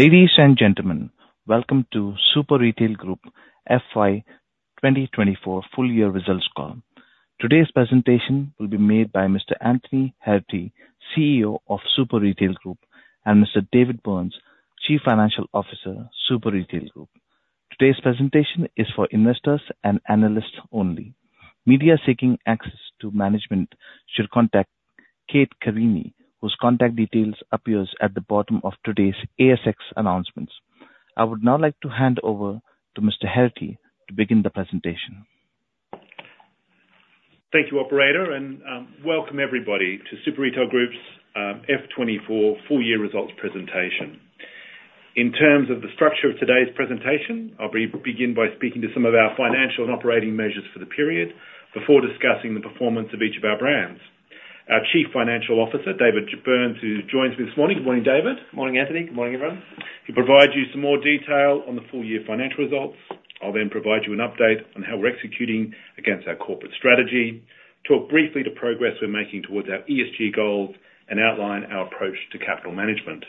Ladies and gentlemen, welcome to Super Retail Group FY 2024 full year results call. Today's presentation will be made by Mr. Anthony Heraghty, CEO of Super Retail Group, and Mr. David Burns, Chief Financial Officer, Super Retail Group. Today's presentation is for investors and analysts only. Media seeking access to management should contact Kate Carini, whose contact details appear at the bottom of today's ASX announcements. I would now like to hand over to Mr. Heraghty to begin the presentation. Thank you, operator, and welcome everybody to Super Retail Group's F '24 full year results presentation. In terms of the structure of today's presentation, I'll begin by speaking to some of our financial and operating measures for the period before discussing the performance of each of our brands. Our Chief Financial Officer, David Burns, who joins me this morning. Good morning, David. Morning, Anthony. Good morning, everyone. He'll provide you some more detail on the full year financial results. I'll then provide you an update on how we're executing against our corporate strategy, talk briefly the progress we're making towards our ESG goals, and outline our approach to capital management.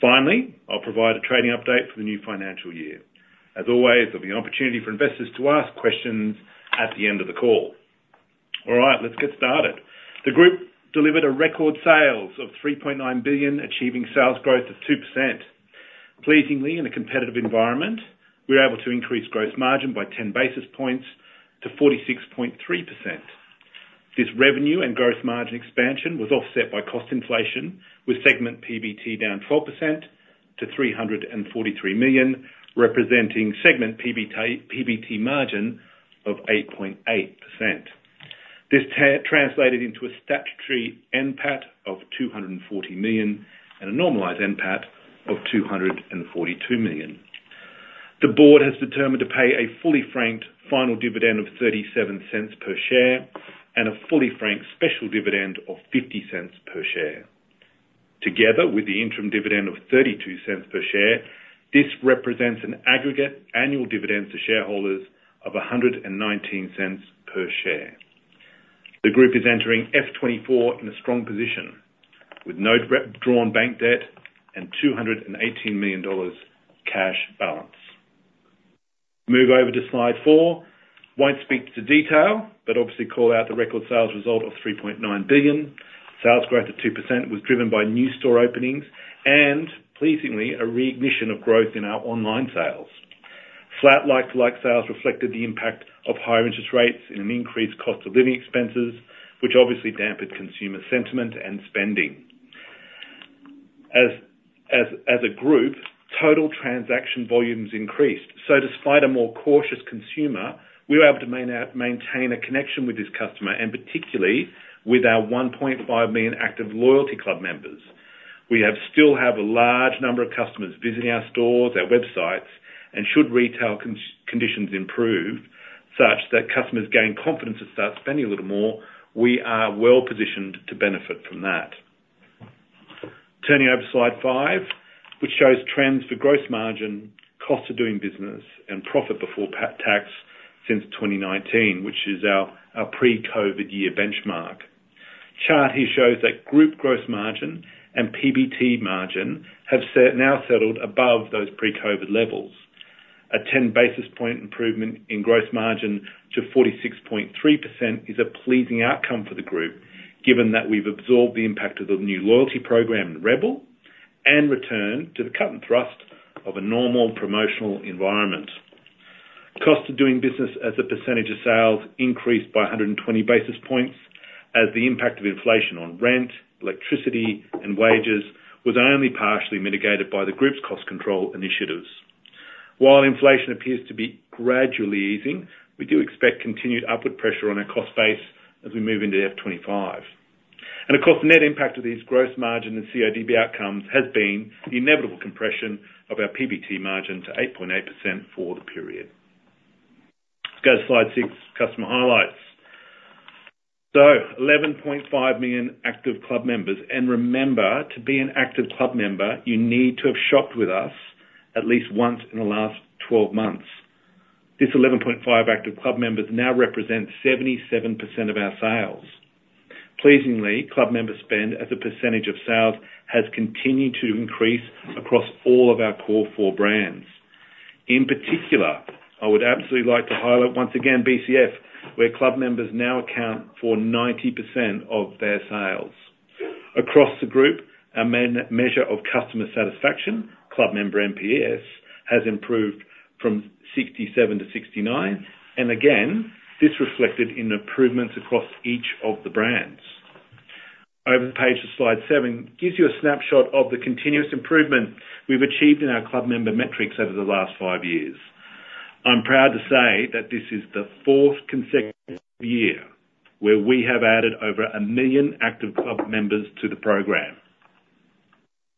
Finally, I'll provide a trading update for the new financial year. As always, there'll be an opportunity for investors to ask questions at the end of the call. All right, let's get started. The group delivered record sales of 3.9 billion, achieving sales growth of 2%. Pleasingly, in a competitive environment, we were able to increase gross margin by ten basis points to 46.3%. This revenue and gross margin expansion was offset by cost inflation, with segment PBT down 12% to 343 million, representing segment PBT margin of 8.8%. This translated into a statutory NPAT of 240 million and a normalized NPAT of 242 million. The board has determined to pay a fully franked final dividend of 0.37 per share and a fully franked special dividend of 0.50 per share. Together with the interim dividend of 0.32 per share, this represents an aggregate annual dividend to shareholders of 1.19 per share. The group is entering FY '24 in a strong position, with no undrawn bank debt and 218 million dollars cash balance. Move over to slide four. I won't speak to detail, but obviously call out the record sales result of 3.9 billion. Sales growth of 2% was driven by new store openings and, pleasingly, a reignition of growth in our online sales. Flat like-for-like sales reflected the impact of higher interest rates and an increased cost of living expenses, which obviously dampened consumer sentiment and spending. As a group, total transaction volumes increased. So despite a more cautious consumer, we were able to maintain a connection with this customer, and particularly with our 1.5 million active loyalty club members. We still have a large number of customers visiting our stores, our websites, and should retail conditions improve such that customers gain confidence and start spending a little more, we are well positioned to benefit from that. Turning over to slide 5, which shows trends for gross margin, cost of doing business, and profit before tax since 2019, which is our pre-COVID year benchmark. Chart here shows that group gross margin and PBT margin have now settled above those pre-COVID levels. A 10 basis point improvement in gross margin to 46.3% is a pleasing outcome for the group, given that we've absorbed the impact of the new loyalty program, Rebel, and returned to the cut and thrust of a normal promotional environment. Cost of doing business as a percentage of sales increased by 120 basis points, as the impact of inflation on rent, electricity, and wages was only partially mitigated by the group's cost control initiatives. While inflation appears to be gradually easing, we do expect continued upward pressure on our cost base as we move into FY 2025, and of course, the net impact of these gross margin and CODB outcomes has been the inevitable compression of our PBT margin to 8.8% for the period. Let's go to slide 6, customer highlights. 11.5 million active club members, and remember, to be an active club member, you need to have shopped with us at least once in the last 12 months. This 11.5 million active club members now represent 77% of our sales. Pleasingly, club member spend as a percentage of sales has continued to increase across all of our core four brands. In particular, I would absolutely like to highlight once again BCF, where club members now account for 90% of their sales. Across the group, our measure of customer satisfaction, Club Member NPS, has improved from 67-69, and again, this reflected in improvements across each of the brands. Over the page to slide 7, gives you a snapshot of the continuous improvement we've achieved in our club member metrics over the last 5 years. I'm proud to say that this is the fourth consecutive year where we have added over a million active club members to the program.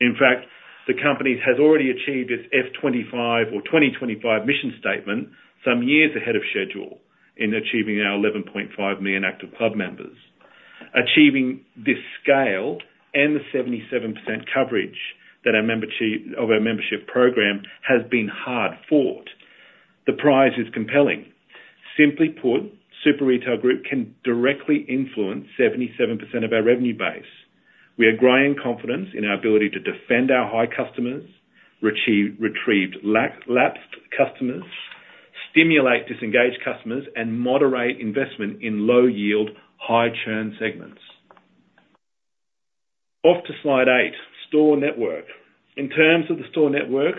In fact, the company has already achieved its FY 2025 or 2025 mission statement some years ahead of schedule in achieving our 11.5 million active club members. Achieving this scale and the 77% coverage that our membership of our membership program has been hard-fought. The prize is compelling. Simply put, Super Retail Group can directly influence 77% of our revenue base. We are growing confidence in our ability to defend our high customers, retrieve lapsed customers, stimulate disengaged customers, and moderate investment in low-yield, high-churn segments. On to slide eight, store network. In terms of the store network,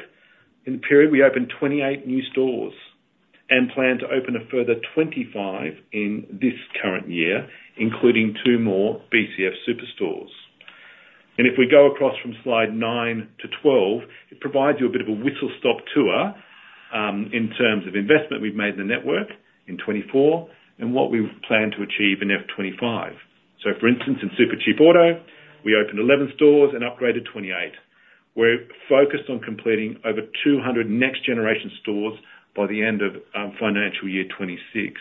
in the period, we opened 28 new stores and plan to open a further 25 in this current year, including two more BCF superstores. And if we go across from slide 9-12, it provides you a bit of a whistle-stop tour, in terms of investment we've made in the network in 2024, and what we plan to achieve in FY 2025. So for instance, in Supercheap Auto, we opened 11 stores and upgraded 28. We're focused on completing over 200 next-generation stores by the end of financial year 2026.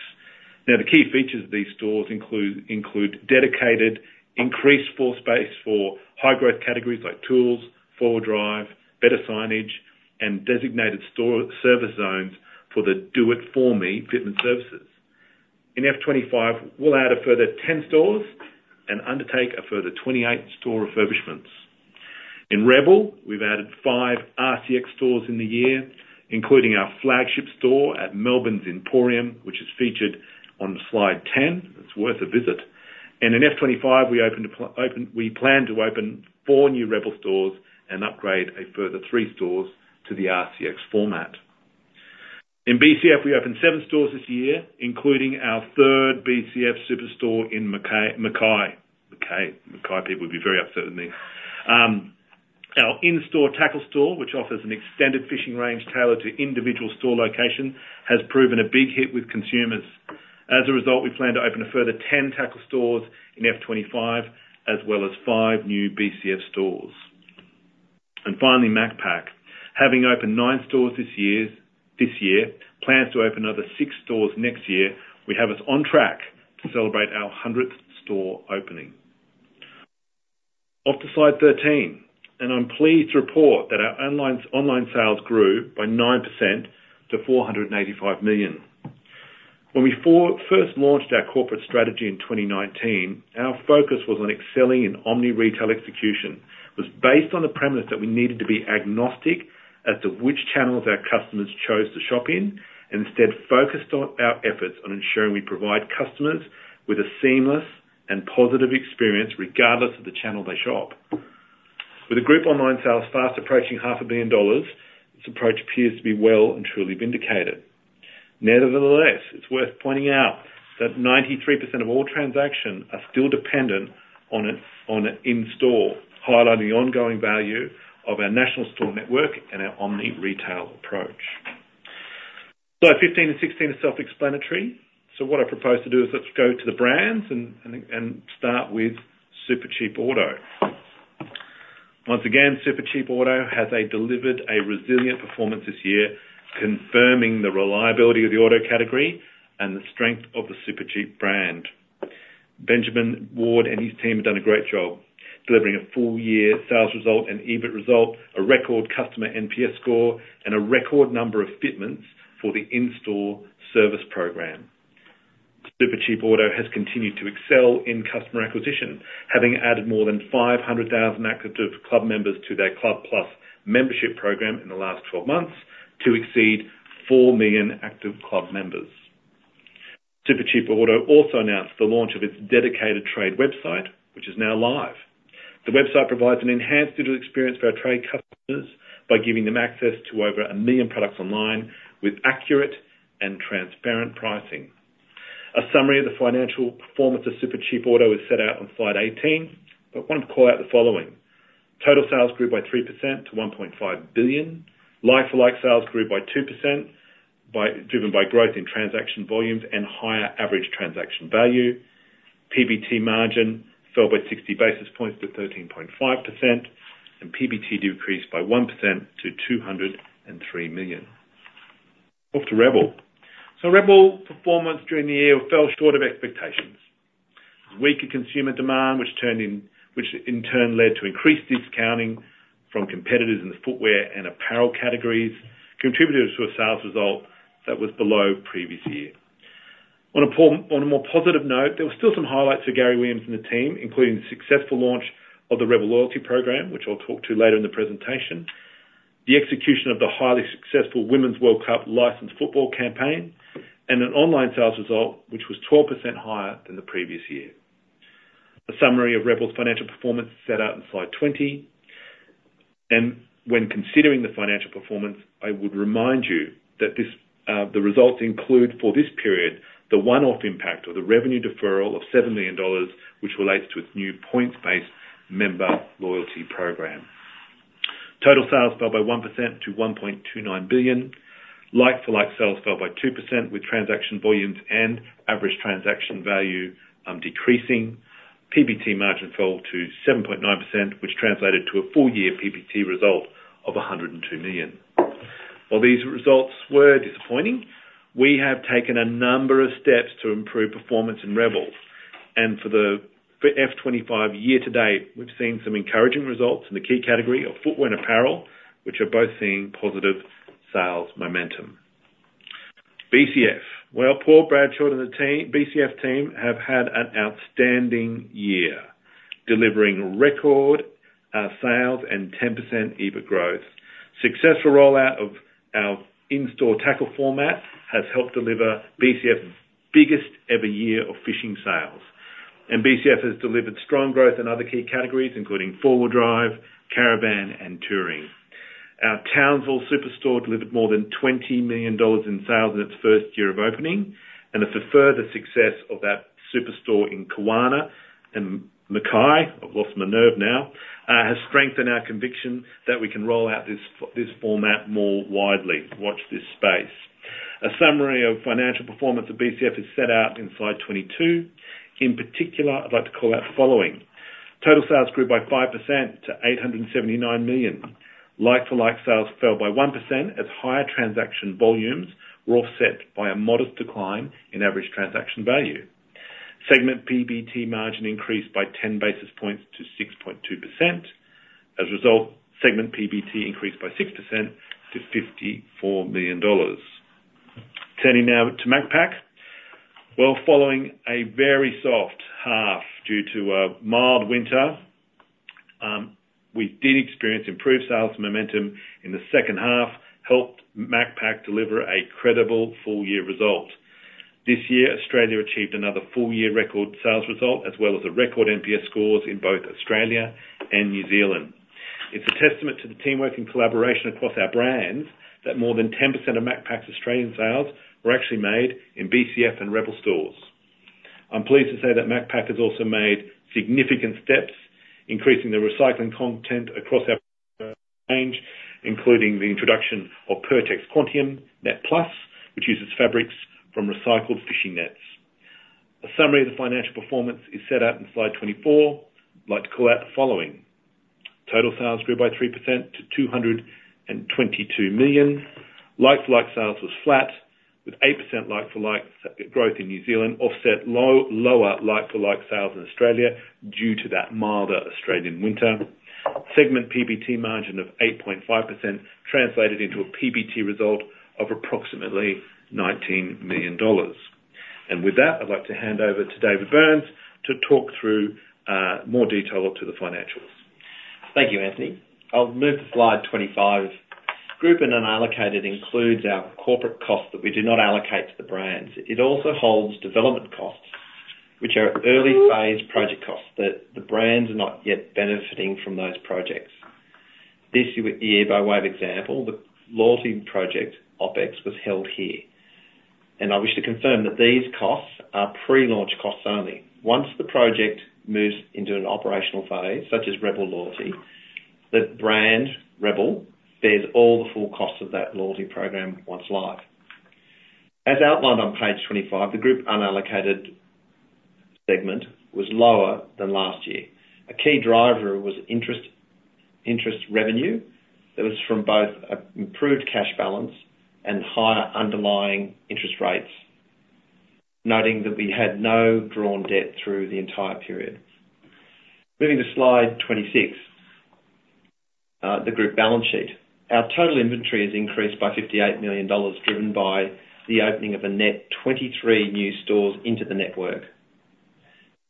Now, the key features of these stores include dedicated increased floor space for high-growth categories like tools, four-wheel drive, better signage, and designated store service zones for the Do It For Me fitment services. In FY 2025, we'll add a further ten stores and undertake a further twenty-eight store refurbishments. In Rebel, we've added five RCX stores in the year, including our flagship store at Melbourne's Emporium, which is featured on slide ten. It's worth a visit, and in FY 2025, we plan to open four new Rebel stores and upgrade a further three stores to the RCX format. In BCF, we opened seven stores this year, including our third BCF superstore in Mackay. Mackay people would be very upset with me. Our in-store Tackle Store, which offers an extended fishing range tailored to individual store location, has proven a big hit with consumers. As a result, we plan to open a further ten Tackle Stores in FY 2025, as well as five new BCF stores. Finally, Macpac, having opened nine stores this year, plans to open another six stores next year. We're on track to celebrate our hundredth store opening. Off to slide 13, and I'm pleased to report that our online sales grew by 9% to 485 million. When we first launched our corporate strategy in 2019, our focus was on excelling in omni-retail execution. It was based on the premise that we needed to be agnostic as to which channels our customers chose to shop in, and instead focused on our efforts on ensuring we provide customers with a seamless and positive experience, regardless of the channel they shop. With the group online sales fast approaching 500 million dollars, this approach appears to be well and truly vindicated. Nevertheless, it's worth pointing out that 93% of all transactions are still dependent on an in-store, highlighting the ongoing value of our national store network and our omni-retail approach. slide 15 and 16 are self-explanatory, so what I propose to do is let's go to the brands and start with Supercheap Auto. Once again, Supercheap Auto has delivered a resilient performance this year, confirming the reliability of the auto category and the strength of the Supercheap brand. Benjamin Ward and his team have done a great job delivering a full year sales result and EBIT result, a record customer NPS score, and a record number of fitments for the in-store service program. Supercheap Auto has continued to excel in customer acquisition, having added more than five hundred thousand active club members to their Club Plus membership program in the last twelve months, to exceed four million active club members. Supercheap Auto also announced the launch of its dedicated trade website, which is now live. The website provides an enhanced digital experience for our trade customers by giving them access to over a million products online, with accurate and transparent pricing. A summary of the financial performance of Supercheap Auto is set out on slide eighteen, but I want to call out the following: Total sales grew by 3% to 1.5 billion. Like-for-like sales grew by 2%, driven by growth in transaction volumes and higher average transaction value. PBT margin fell by 60 basis points to 13.5%, and PBT decreased by 1% to 203 million. Off to Rebel. So Rebel performance during the year fell short of expectations. Weaker consumer demand, which in turn led to increased discounting from competitors in the footwear and apparel categories, contributed to a sales result that was below previous year. On a more positive note, there were still some highlights for Gary Williams and the team, including the successful launch of the Rebel Loyalty Program, which I'll talk to later in the presentation, the execution of the highly successful Women's World Cup licensed football campaign, and an online sales result, which was 12% higher than the previous year. A summary of Rebel's financial performance is set out in slide 20, and when considering the financial performance, I would remind you that this, the results include, for this period, the one-off impact of the revenue deferral of 7 million dollars, which relates to its new points-based member loyalty program. Total sales fell by 1% to 1.29 billion. Like-for-like sales fell by 2%, with transaction volumes and average transaction value, decreasing. PBT margin fell to 7.9%, which translated to a full-year PBT result of 102 million. While these results were disappointing, we have taken a number of steps to improve performance in Rebel. And for the FY25 year to date, we've seen some encouraging results in the key category of footwear and apparel, which are both seeing positive sales momentum. BCF. Paul Bradshaw and the team, BCF team have had an outstanding year, delivering record sales and 10% EBIT growth. Successful rollout of our in-store tackle format has helped deliver BCF's biggest ever year of fishing sales. BCF has delivered strong growth in other key categories, including four-wheel drive, caravan, and touring. Our Townsville superstore delivered more than 20 million dollars in sales in its first year of opening, and the further success of that superstore in Kawana and Mackay, I've lost my nerve now, has strengthened our conviction that we can roll out this format more widely. Watch this space. A summary of financial performance of BCF is set out in slide 22. In particular, I'd like to call out the following: Total sales grew by 5% to 879 million. Like-for-like sales fell by 1%, as higher transaction volumes were offset by a modest decline in average transaction value. Segment PBT margin increased by ten basis points to 6.2%. As a result, segment PBT increased by 6% to 54 million dollars. Turning now to Macpac. Following a very soft half due to a mild winter, we did experience improved sales momentum in the second half, helped Macpac deliver a credible full-year result. This year, Australia achieved another full-year record sales result, as well as a record NPS scores in both Australia and New Zealand. It's a testament to the teamwork and collaboration across our brands, that more than 10% of Macpac's Australian sales were actually made in BCF and Rebel stores. I'm pleased to say that Macpac has also made significant steps, increasing the recycling content across our range, including the introduction of Pertex Quantum NetPlus, which uses fabrics from recycled fishing nets. A summary of the financial performance is set out in slide 24. I'd like to call out the following: Total sales grew by 3% to 222 million. Like-for-like sales was flat, with 8% like-for-like growth in New Zealand, offset by lower like-for-like sales in Australia, due to that milder Australian winter. Segment PBT margin of 8.5% translated into a PBT result of approximately 19 million dollars. With that, I'd like to hand over to David Burns to talk through more detail to the financials. Thank you, Anthony. I'll move to slide 25. Group and unallocated includes our corporate costs that we do not allocate to the brands. It also holds development costs, which are early-phase project costs that the brands are not yet benefiting from those projects. This year, by way of example, the loyalty project, OpEx, was held here. And I wish to confirm that these costs are pre-launch costs only. Once the project moves into an operational phase, such as Rebel Loyalty, the brand, Rebel, bears all the full costs of that loyalty program once live. As outlined on page twenty-five, the group unallocated segment was lower than last year. A key driver was interest revenue that was from both a improved cash balance and higher underlying interest rates, noting that we had no drawn debt through the entire period. Moving to slide twenty-six, the group balance sheet. Our total inventory has increased by 58 million dollars, driven by the opening of a net 23 new stores into the network.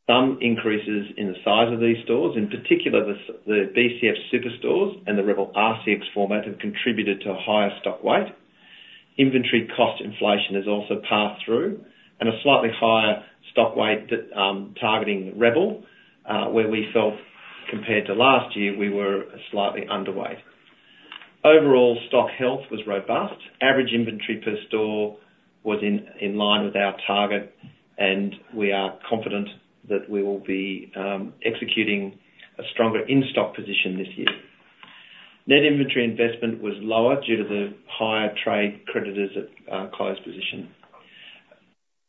Some increases in the size of these stores, in particular, the BCF super stores and the Rebel RCX format, have contributed to a higher stock weight. Inventory cost inflation has also passed through, and a slightly higher stock weight that targeting Rebel, where we felt compared to last year, we were slightly underweight. Overall, stock health was robust. Average inventory per store was in line with our target, and we are confident that we will be executing a stronger in-stock position this year. Net inventory investment was lower due to the higher trade creditors at close position,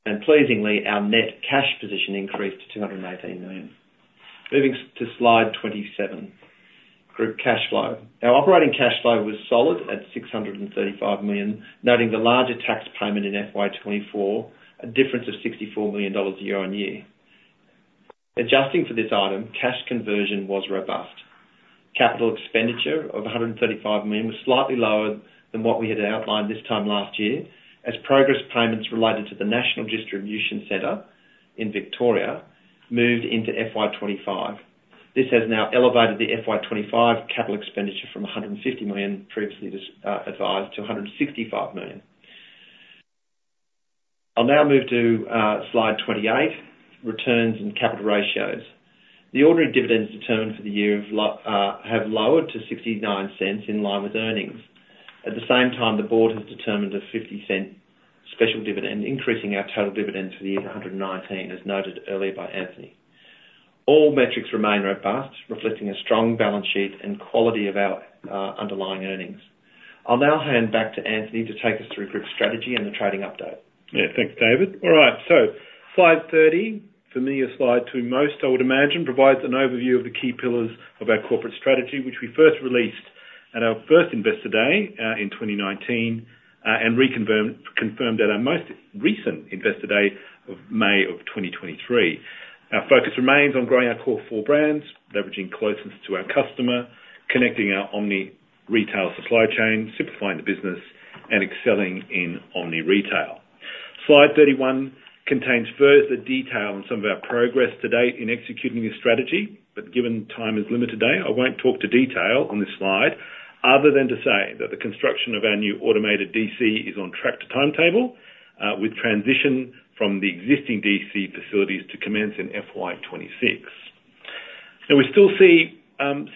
and pleasingly, our net cash position increased to 218 million. Moving to slide 27, Group Cash Flow. Our operating cash flow was solid at 635 million, noting the larger tax payment in FY 2024, a difference of 64 million dollars year-on-year. Adjusting for this item, cash conversion was robust. Capital expenditure of 135 million was slightly lower than what we had outlined this time last year, as progress payments related to the National Distribution Center in Victoria moved into FY 2025. This has now elevated the FY 2025 capital expenditure from 150 million, previously advised, to 165 million. I'll now move to slide 28, Returns and Capital Ratios. The ordinary dividends determined for the year have lowered to 0.69 in line with earnings. At the same time, the board has determined a 0.50 special dividend, increasing our total dividend for the year to 1.19, as noted earlier by Anthony. All metrics remain robust, reflecting a strong balance sheet and quality of our underlying earnings. I'll now hand back to Anthony to take us through group strategy and the trading update. Yeah. Thank you, David. All right, so slide 30, familiar slide to most, I would imagine, provides an overview of the key pillars of our corporate strategy, which we first released at our first Investor Day in 2019 and reconfirmed at our most recent Investor Day of May of 2023. Our focus remains on growing our core four brands, leveraging closeness to our customer, connecting our omni-retail supply chain, simplifying the business, and excelling in omni-retail. slide 31 contains further detail on some of our progress to date in executing this strategy, but given time is limited today, I won't talk to detail on this slide, other than to say that the construction of our new automated DC is on track to timetable, with transition from the existing DC facilities to commence in FY 2026. Now, we still see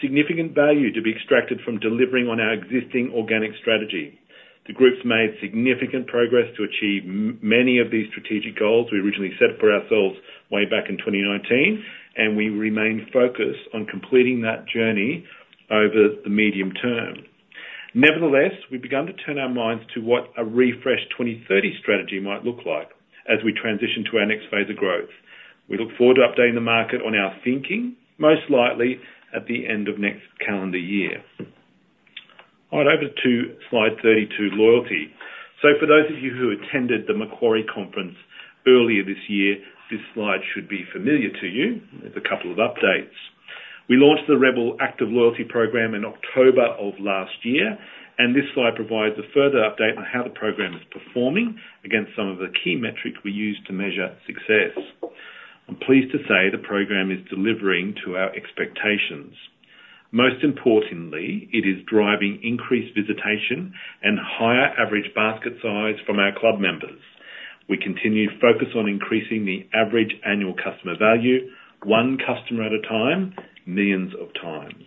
significant value to be extracted from delivering on our existing organic strategy. The group's made significant progress to achieve many of these strategic goals we originally set for ourselves way back in 2019, and we remain focused on completing that journey over the medium term. Nevertheless, we've begun to turn our minds to what a refreshed 2030 strategy might look like as we transition to our next phase of growth. We look forward to updating the market on our thinking, most likely at the end of next calendar year. All right, over to slide 32, loyalty. So for those of you who attended the Macquarie conference earlier this year, this slide should be familiar to you. There's a couple of updates. We launched the Rebel Active Loyalty program in October of last year, and this slide provides a further update on how the program is performing against some of the key metrics we use to measure success. I'm pleased to say the program is delivering to our expectations. Most importantly, it is driving increased visitation and higher average basket size from our club members. We continue to focus on increasing the average annual customer value, one customer at a time, millions of times.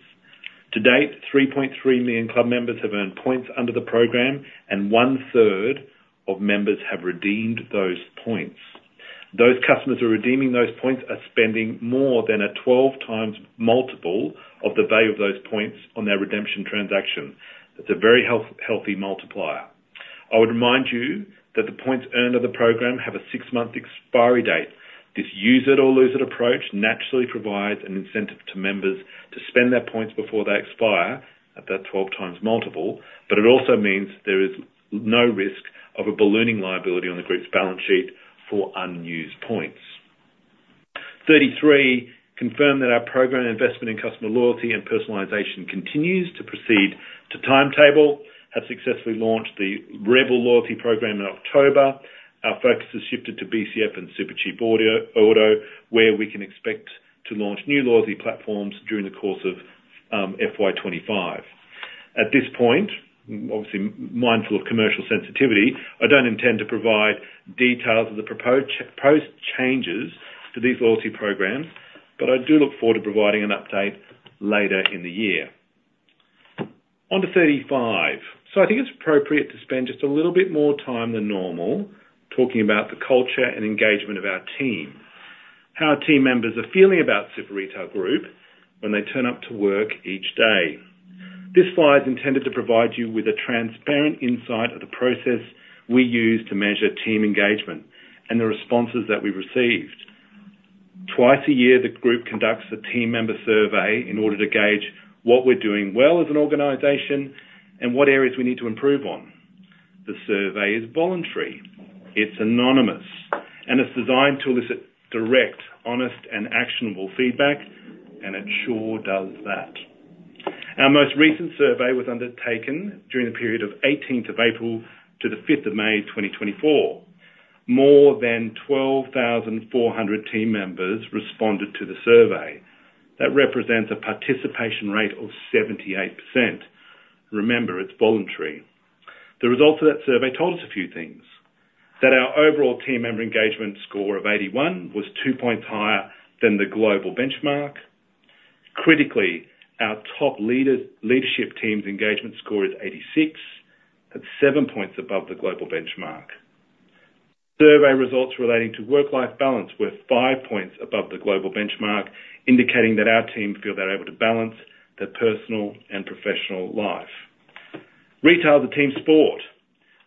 To date, three point three million club members have earned points under the program, and one-third of members have redeemed those points. Those customers who are redeeming those points are spending more than a twelve times multiple of the value of those points on their redemption transaction. It's a very healthy multiplier. I would remind you that the points earned of the program have a six-month expiry date. This use it or lose it approach naturally provides an incentive to members to spend their points before they expire, at that twelve times multiple, but it also means there is no risk of a ballooning liability on the group's balance sheet for unused points. Thirty-three confirmed that our program investment in customer loyalty and personalization continues to proceed to timetable, have successfully launched the Rebel loyalty program in October. Our focus has shifted to BCF and Supercheap Auto, where we can expect to launch new loyalty platforms during the course of FY twenty-five. At this point, obviously mindful of commercial sensitivity, I don't intend to provide details of the proposed changes to these loyalty programs, but I do look forward to providing an update later in the year. On to 35. So I think it's appropriate to spend just a little bit more time than normal talking about the culture and engagement of our team, how our team members are feeling about Super Retail Group when they turn up to work each day. This slide is intended to provide you with a transparent insight of the process we use to measure team engagement and the responses that we received. Twice a year, the group conducts a team member survey in order to gauge what we're doing well as an organization and what areas we need to improve on. The survey is voluntary, it's anonymous, and it's designed to elicit direct, honest, and actionable feedback, and it sure does that. Our most recent survey was undertaken during the period of eighteenth of April to the 5th of May 2024. More than 12,400 team members responded to the survey. That represents a participation rate of 78%. Remember, it's voluntary. The results of that survey told us a few things, that our overall team member engagement score of 81 was two points higher than the global benchmark. Critically, our top leadership team's engagement score is 86. That's seven points above the global benchmark. Survey results relating to work-life balance were five points above the global benchmark, indicating that our teams feel they're able to balance their personal and professional life. Retail is a team sport.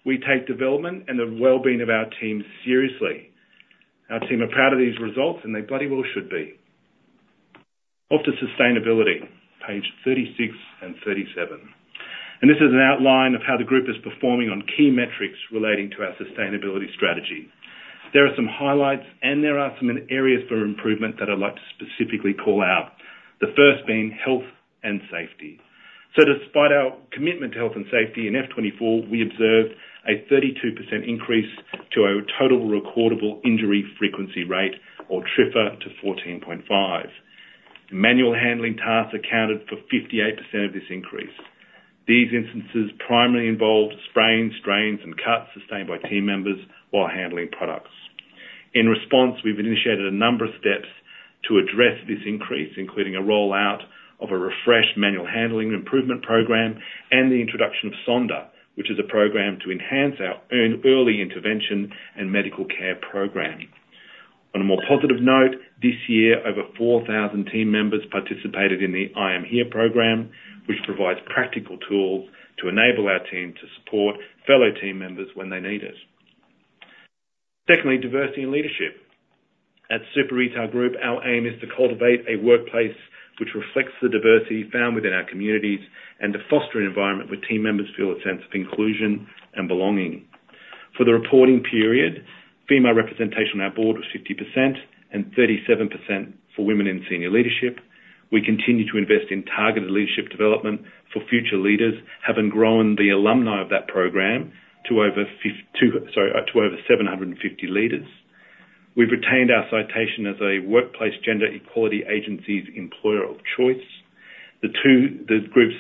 We take development and the well-being of our team seriously. Our team are proud of these results, and they bloody well should be. Off to sustainability, page 36 and 37. This is an outline of how the group is performing on key metrics relating to our sustainability strategy. There are some highlights, and there are some areas for improvement that I'd like to specifically call out, the first being health and safety. Despite our commitment to health and safety, in FY 2024, we observed a 32% increase to our total recordable injury frequency rate, or TRIFR, to 14.5. Manual handling tasks accounted for 58% of this increase. These instances primarily involved sprains, strains, and cuts sustained by team members while handling products. In response, we've initiated a number of steps to address this increase, including a rollout of a refreshed manual handling improvement program and the introduction of Sonder, which is a program to enhance our early intervention and medical care programming. On a more positive note, this year, over four thousand team members participated in the I Am Here program, which provides practical tools to enable our team to support fellow team members when they need it. Secondly, diversity and leadership. At Super Retail Group, our aim is to cultivate a workplace which reflects the diversity found within our communities, and to foster an environment where team members feel a sense of inclusion and belonging. For the reporting period, female representation on our board was 50%, and 37% for women in senior leadership. We continue to invest in targeted leadership development for future leaders, having grown the alumni of that program to over seven hundred and fifty leaders. We've retained our citation as a Workplace Gender Equality Agency's Employer of Choice. The group's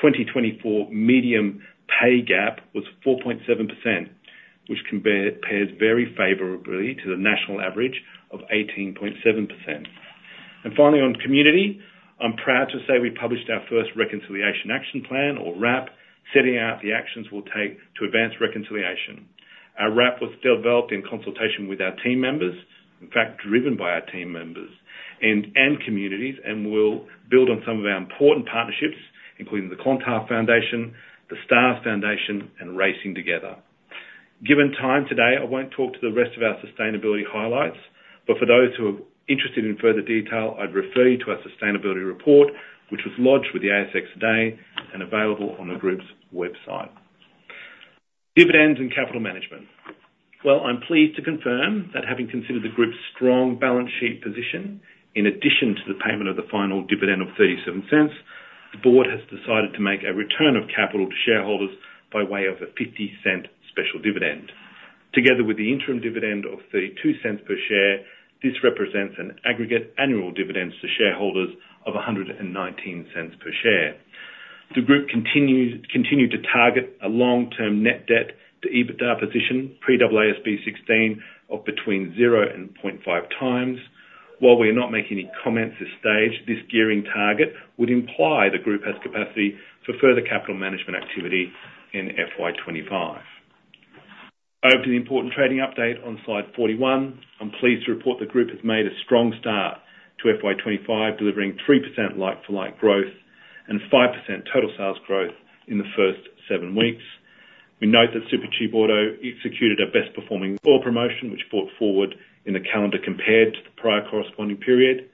2024 median pay gap was 4.7%, which compares very favorably to the national average of 18.7%. And finally, on community, I'm proud to say we published our first Reconciliation Action Plan, or RAP, setting out the actions we'll take to advance reconciliation. Our RAP was developed in consultation with our team members, in fact, driven by our team members and communities, and will build on some of our important partnerships, including the Clontarf Foundation, the Stars Foundation, and Racing Together. Given time today, I won't talk to the rest of our sustainability highlights, but for those who are interested in further detail, I'd refer you to our sustainability report, which was lodged with the ASX today and available on the group's website. Dividends and capital management. I'm pleased to confirm that having considered the group's strong balance sheet position, in addition to the payment of the final dividend of 0.37, the board has decided to make a return of capital to shareholders by way of a 50-cent special dividend. Together with the interim dividend of 0.32 per share, this represents an aggregate annual dividend to shareholders of 1.19 per share. The group continues to target a long-term net debt to EBITDA position, pre-AASB 16, of between zero and 0.5 times. While we are not making any comments at this stage, this gearing target would imply the group has capacity for further capital management activity in FY 2025. Over to the important trading update on slide 41. I'm pleased to report the group has made a strong start to FY 2025, delivering 3% like-for-like growth and 5% total sales growth in the first seven weeks. We note that Supercheap Auto executed our best performing oil promotion, which brought forward in the calendar compared to the prior corresponding period.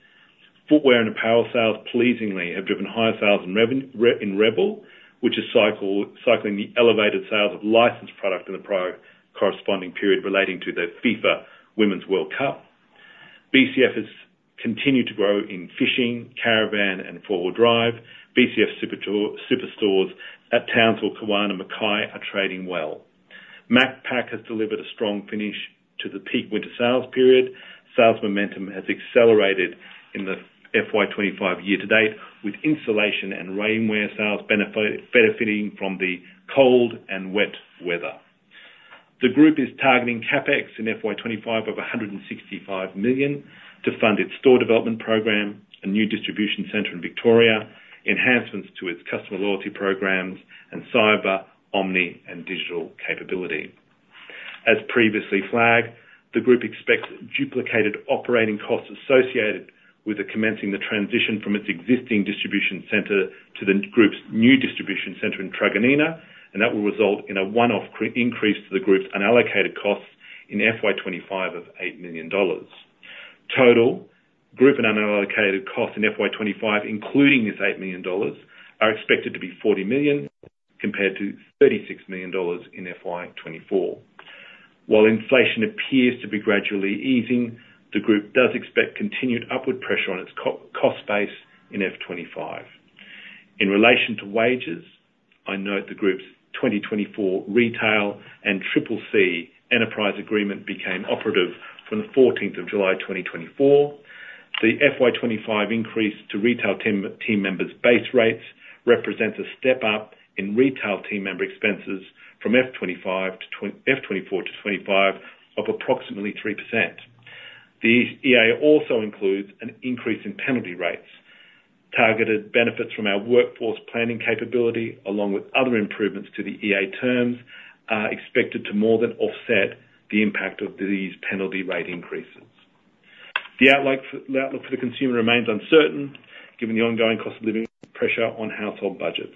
Footwear and apparel sales pleasingly have driven higher sales and revenue in Rebel, which is cycling the elevated sales of licensed product in the prior corresponding period relating to the FIFA Women's World Cup. BCF has continued to grow in fishing, caravan, and four-wheel drive. BCF Superstores at Townsville, Kawana, and Mackay are trading well. Macpac has delivered a strong finish to the peak winter sales period. Sales momentum has accelerated in the FY twenty-five year to date, with insulation and rainwear sales benefiting from the cold and wet weather. The group is targeting CapEx in FY 2025 of 165 million to fund its store development program, a new distribution center in Victoria, enhancements to its customer loyalty programs, and cyber, omni, and digital capability. As previously flagged, the group expects duplicated operating costs associated with commencing the transition from its existing distribution center to the group's new distribution center in Truganina, and that will result in a one-off increase to the group's unallocated costs in FY 2025 of 8 million dollars. Total group and unallocated costs in FY 2025, including this 8 million dollars, are expected to be 40 million, compared to 36 million dollars in FY 2024. While inflation appears to be gradually easing, the group does expect continued upward pressure on its cost base in FY 2025. In relation to wages, I note the group's 2024 retail and CCC enterprise agreement became operative from the fourteenth of July, 2024. The FY 2025 increase to retail team members' base rates represents a step up in retail team member expenses from FY 2024-2025 of approximately 3%. The EA also includes an increase in penalty rates. Targeted benefits from our workforce planning capability, along with other improvements to the EA terms, are expected to more than offset the impact of these penalty rate increases. The outlook for the consumer remains uncertain, given the ongoing cost of living pressure on household budgets.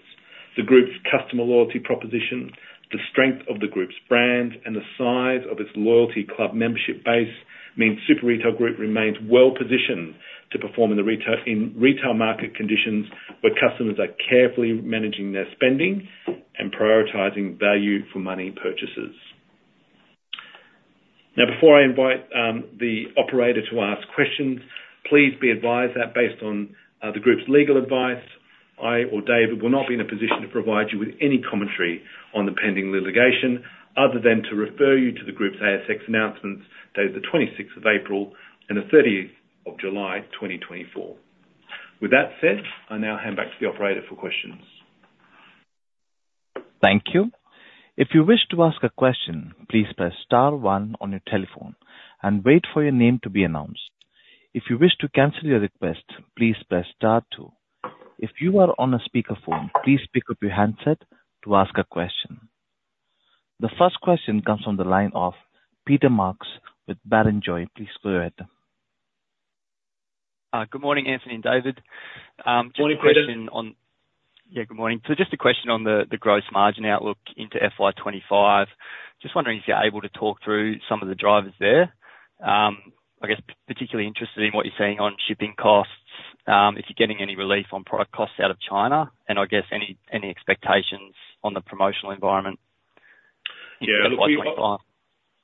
The group's customer loyalty proposition, the strength of the group's brand, and the size of its loyalty club membership base, means Super Retail Group remains well positioned to perform in the retail market conditions, where customers are carefully managing their spending and prioritizing value for money purchases. Now, before I invite the operator to ask questions, please be advised that based on the group's legal advice, I or David will not be in a position to provide you with any commentary on the pending litigation, other than to refer you to the group's ASX announcements, dated the 26th of April and the 30th of July, twenty twenty-four. With that said, I now hand back to the operator for questions. Thank you. If you wish to ask a question, please press star one on your telephone and wait for your name to be announced. If you wish to cancel your request, please press star two. If you are on a speakerphone, please pick up your handset to ask a question. The first question comes from the line of Peter Marks with Barrenjoey. Please go ahead.... good morning, Anthony and David. Good morning, Peter. Yeah, good morning. So just a question on the gross margin outlook into FY 2025. Just wondering if you're able to talk through some of the drivers there. I guess, particularly interested in what you're seeing on shipping costs, if you're getting any relief on product costs out of China, and I guess any expectations on the promotional environment. Yeah. FY 2025.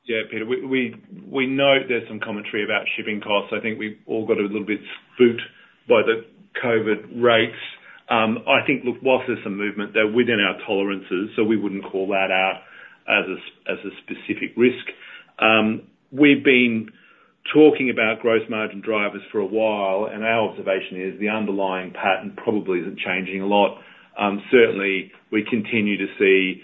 Yeah, Peter, we know there's some commentary about shipping costs. I think we've all got a little bit spooked by the COVID rates. I think, look, whilst there's some movement, they're within our tolerances, so we wouldn't call that out as a specific risk. We've been talking about gross margin drivers for a while, and our observation is the underlying pattern probably isn't changing a lot. Certainly, we continue to see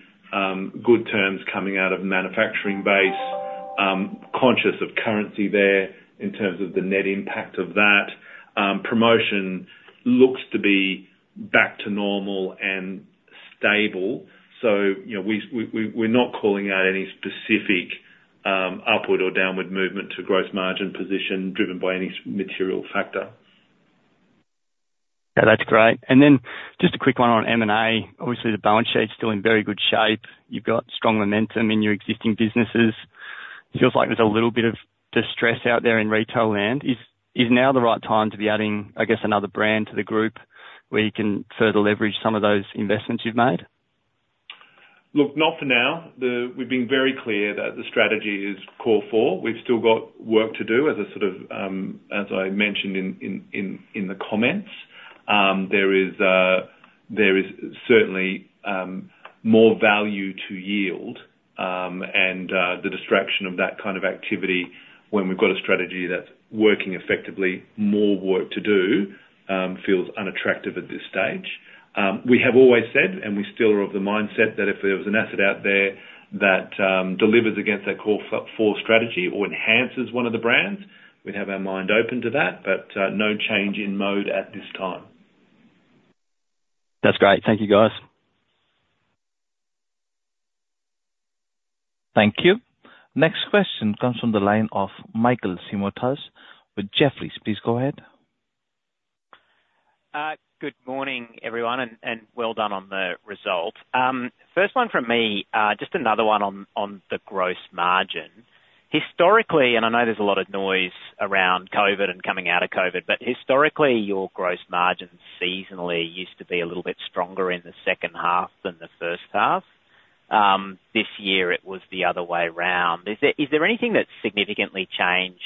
good terms coming out of the manufacturing base, conscious of currency there in terms of the net impact of that. Promotion looks to be back to normal and stable, so, you know, we're not calling out any specific upward or downward movement to gross margin position driven by any material factor. Yeah, that's great. And then just a quick one on M&A. Obviously, the balance sheet is still in very good shape. You've got strong momentum in your existing businesses. Feels like there's a little bit of distress out there in retail land. Is now the right time to be adding, I guess, another brand to the group, where you can further leverage some of those investments you've made? Look, not for now. We've been very clear that the strategy is core four. We've still got work to do as a sort of, as I mentioned in the comments. There is certainly more value to yield, and the distraction of that kind of activity when we've got a strategy that's working effectively, more work to do, feels unattractive at this stage. We have always said, and we still are of the mindset, that if there was an asset out there that delivers against our core four strategy or enhances one of the brands, we'd have our mind open to that, but no change in mode at this time. That's great. Thank you, guys. Thank you. Next question comes from the line of Michael Simotas with Jefferies. Please go ahead. Good morning, everyone, and well done on the result. First one from me, just another one on the gross margin. Historically, and I know there's a lot of noise around COVID and coming out of COVID, but historically, your gross margin seasonally used to be a little bit stronger in the second half than the first half. This year it was the other way around. Is there anything that's significantly changed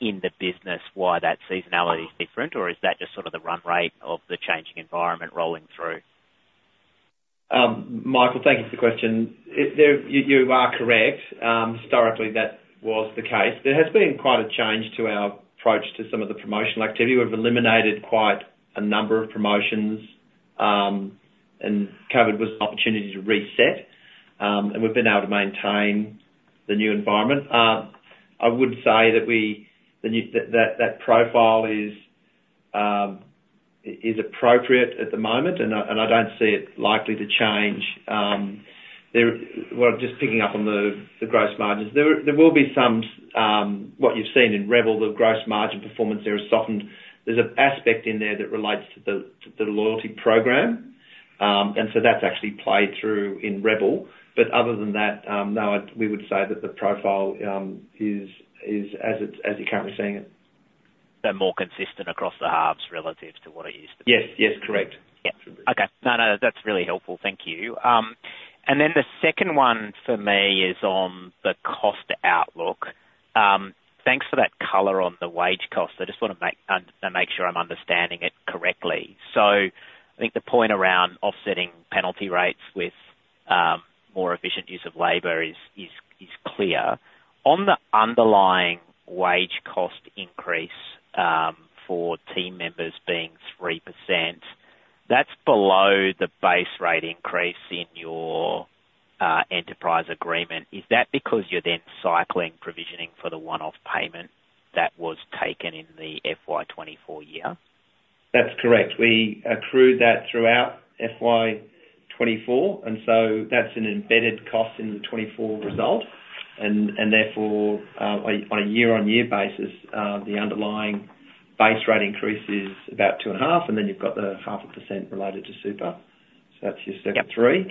in the business why that seasonality is different, or is that just sort of the run rate of the changing environment rolling through? Michael, thank you for the question. There, you are correct. Historically, that was the case. There has been quite a change to our approach to some of the promotional activity. We've eliminated quite a number of promotions, and COVID was an opportunity to reset, and we've been able to maintain the new environment. I would say that the new profile is appropriate at the moment, and I don't see it likely to change. Well, just picking up on the gross margins, there will be some, what you've seen in Rebel, the gross margin performance there has softened. There's an aspect in there that relates to the loyalty program, and so that's actually played through in Rebel, but other than that, no, we would say that the profile is as it is, as you're currently seeing it. So more consistent across the halves relative to what it used to be? Yes. Yes, correct. Yeah. Okay. No, no, that's really helpful. Thank you. And then the second one for me is on the cost outlook. Thanks for that color on the wage cost. I just wanna make sure I'm understanding it correctly. So I think the point around offsetting penalty rates with more efficient use of labor is clear. On the underlying wage cost increase for team members being 3%, that's below the base rate increase in your enterprise agreement. Is that because you're then cycling provisioning for the one-off payment that was taken in the FY 2024 year? That's correct. We accrued that throughout FY 2024, and so that's an embedded cost in the 2024 result, and therefore, on a year-on-year basis, the underlying base rate increase is about two and a half, and then you've got the 0.5% related to super. So that's your 2.3.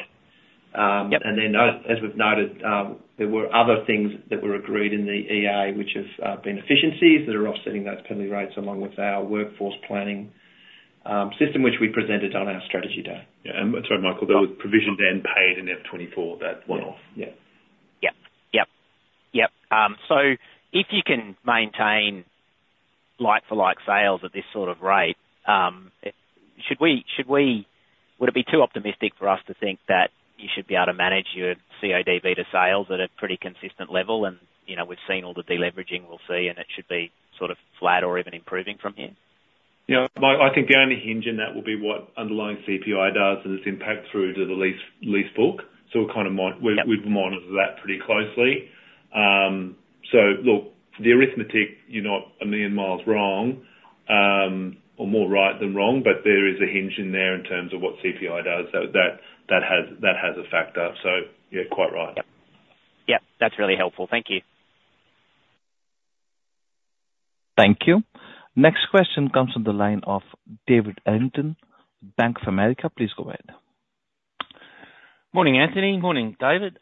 Yep. And then note, as we've noted, there were other things that were agreed in the EA, which have been efficiencies that are offsetting those penalty rates, along with our workforce planning system, which we presented on our strategy day. Yeah, and sorry, Michael, there was provision then paid in FY 2024, that one-off. Yeah. Yep, so if you can maintain like-for-like sales at this sort of rate, would it be too optimistic for us to think that you should be able to manage your CODB to sales at a pretty consistent level? And, you know, we've seen all the de-leveraging we'll see, and it should be sort of flat or even improving from here. Yeah, I think the only hinge in that will be what underlying CPI does and its impact through to the lease book. So we're kind of mon- Yep. We've monitored that pretty closely. So look, the arithmetic, you're not a million miles wrong, or more right than wrong, but there is a hinge in there in terms of what CPI does, so that has a factor. So yeah, quite right.... Yep, that's really helpful. Thank you. Thank you. Next question comes from the line of David Errington, Bank of America. Please go ahead. Morning, Anthony. Morning, David.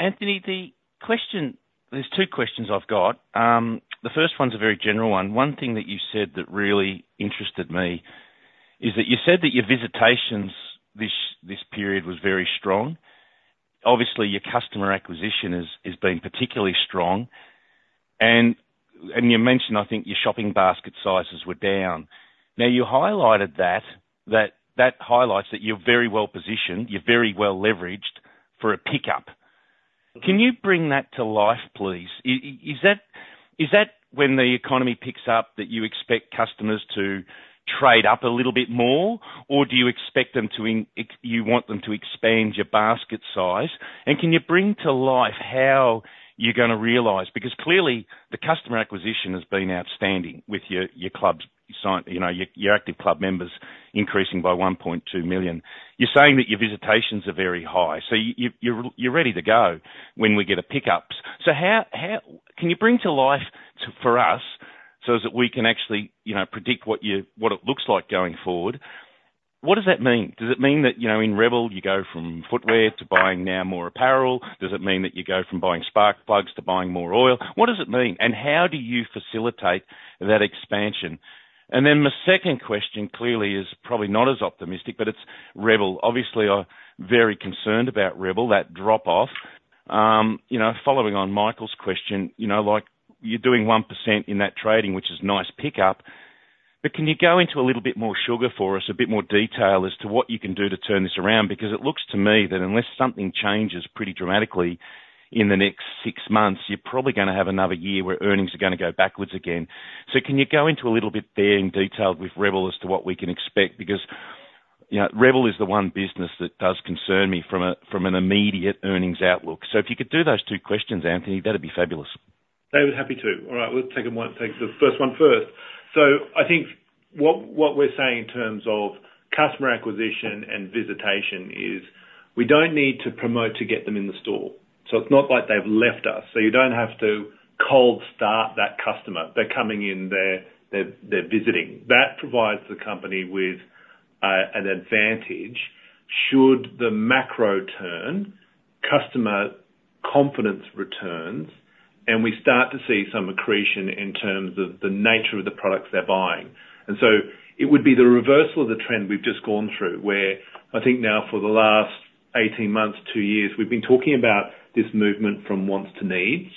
Anthony, the question. There's two questions I've got. The first one's a very general one. One thing that you said that really interested me, is that you said that your visitations this period was very strong. Obviously, your customer acquisition has been particularly strong, and you mentioned, I think, your shopping basket sizes were down. Now, you highlighted that that highlights that you're very well positioned, you're very well leveraged for a pickup. Can you bring that to life, please? Is that, is that when the economy picks up, that you expect customers to trade up a little bit more? Or do you expect them to expand your basket size? And can you bring to life how you're gonna realize? Because clearly, the customer acquisition has been outstanding with your clubs. You know, your active club members increasing by 1.2 million. You're saying that your visitations are very high, so you're ready to go when we get pickups. So how can you bring to life, for us, so that we can actually, you know, predict what it looks like going forward? What does that mean? Does it mean that, you know, in Rebel, you go from footwear to buying now more apparel? Does it mean that you go from buying spark plugs to buying more oil? What does that mean? And how do you facilitate that expansion? And then my second question, clearly, is probably not as optimistic, but it's Rebel. Obviously, are very concerned about Rebel, that drop-off. You know, following on Michael's question, you know, like, you're doing 1% in that trading, which is a nice pickup, but can you go into a little bit more colour for us, a bit more detail as to what you can do to turn this around? Because it looks to me that unless something changes pretty dramatically in the next six months, you're probably gonna have another year where earnings are gonna go backwards again. So can you go into a little bit there in detail with Rebel as to what we can expect? Because, you know, Rebel is the one business that does concern me from an immediate earnings outlook. So if you could do those two questions, Anthony, that'd be fabulous. David, happy to. All right, we'll take them one, take the first one first. So I think what we're saying in terms of customer acquisition and visitation is, we don't need to promote to get them in the store, so it's not like they've left us. So you don't have to cold start that customer. They're coming in, they're visiting. That provides the company with an advantage should the macro turn, customer confidence returns, and we start to see some accretion in terms of the nature of the products they're buying. And so, it would be the reversal of the trend we've just gone through, where I think now for the last eighteen months, two years, we've been talking about this movement from wants to needs.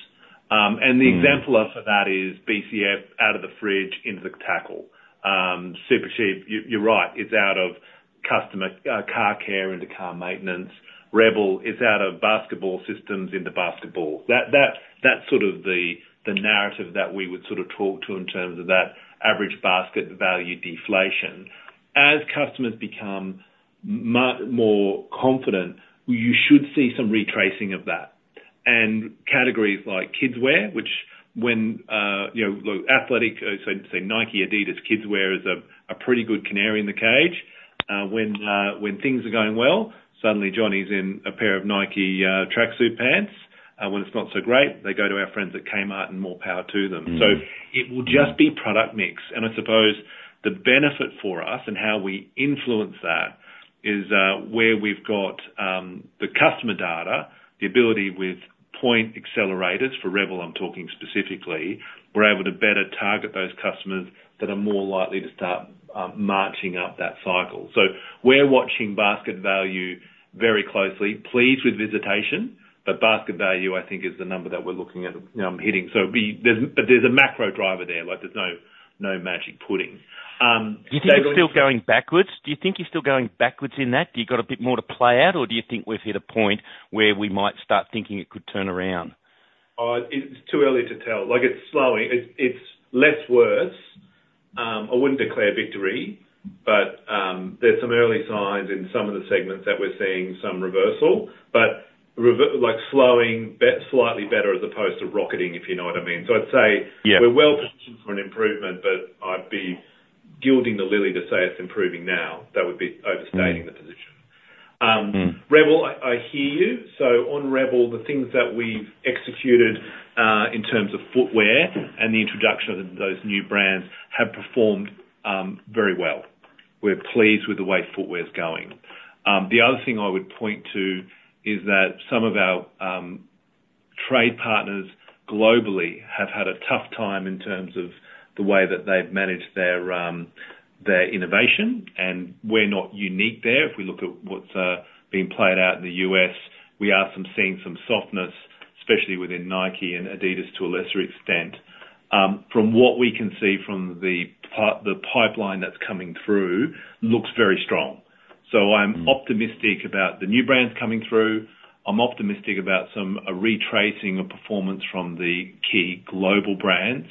And the- Mm. example of that is BCF out of the fridge, into the tackle. Supercheap, you're right, it's out of customer car care into car maintenance. Rebel is out of basketball systems into basketball. That's sort of the narrative that we would sort of talk to in terms of that average basket value deflation. As customers become more confident, you should see some retracing of that. And categories like kidswear, which, when you know athletic, so say Nike, Adidas kidswear is a pretty good canary in the coal mine. When things are going well, suddenly Johnny's in a pair of Nike tracksuit pants. When it's not so great, they go to our friends at Kmart, and more power to them. Mm. It will just be product mix. And I suppose the benefit for us and how we influence that is, where we've got the customer data, the ability with point accelerators, for Rebel, I'm talking specifically, we're able to better target those customers that are more likely to start marching up that cycle. We're watching basket value very closely, pleased with visitation, but basket value, I think, is the number that we're looking at hitting. There's a macro driver there, like, there's no magic pudding. Do you think you're still going backwards? Do you think you're still going backwards in that? Do you got a bit more to play out, or do you think we've hit a point where we might start thinking it could turn around? It's too early to tell. Like, it's slowing. It, it's less worse. I wouldn't declare victory, but, there's some early signs in some of the segments that we're seeing some reversal, but like, slowing being slightly better, as opposed to rocketing, if you know what I mean. So I'd say- Yeah... we're well positioned for an improvement, but I'd be gilding the lily to say it's improving now. That would be overstating- Mm... the position. Mm. Rebel, I hear you. So on Rebel, the things that we've executed in terms of footwear and the introduction of those new brands have performed very well. We're pleased with the way footwear is going. The other thing I would point to is that some of our trade partners globally have had a tough time in terms of the way that they've managed their innovation, and we're not unique there. If we look at what's been played out in the U.S., we are seeing some softness, especially within Nike and Adidas to a lesser extent. From what we can see from the pipeline that's coming through, looks very strong. Mm. So I'm optimistic about the new brands coming through. I'm optimistic about some, a retracing of performance from the key global brands.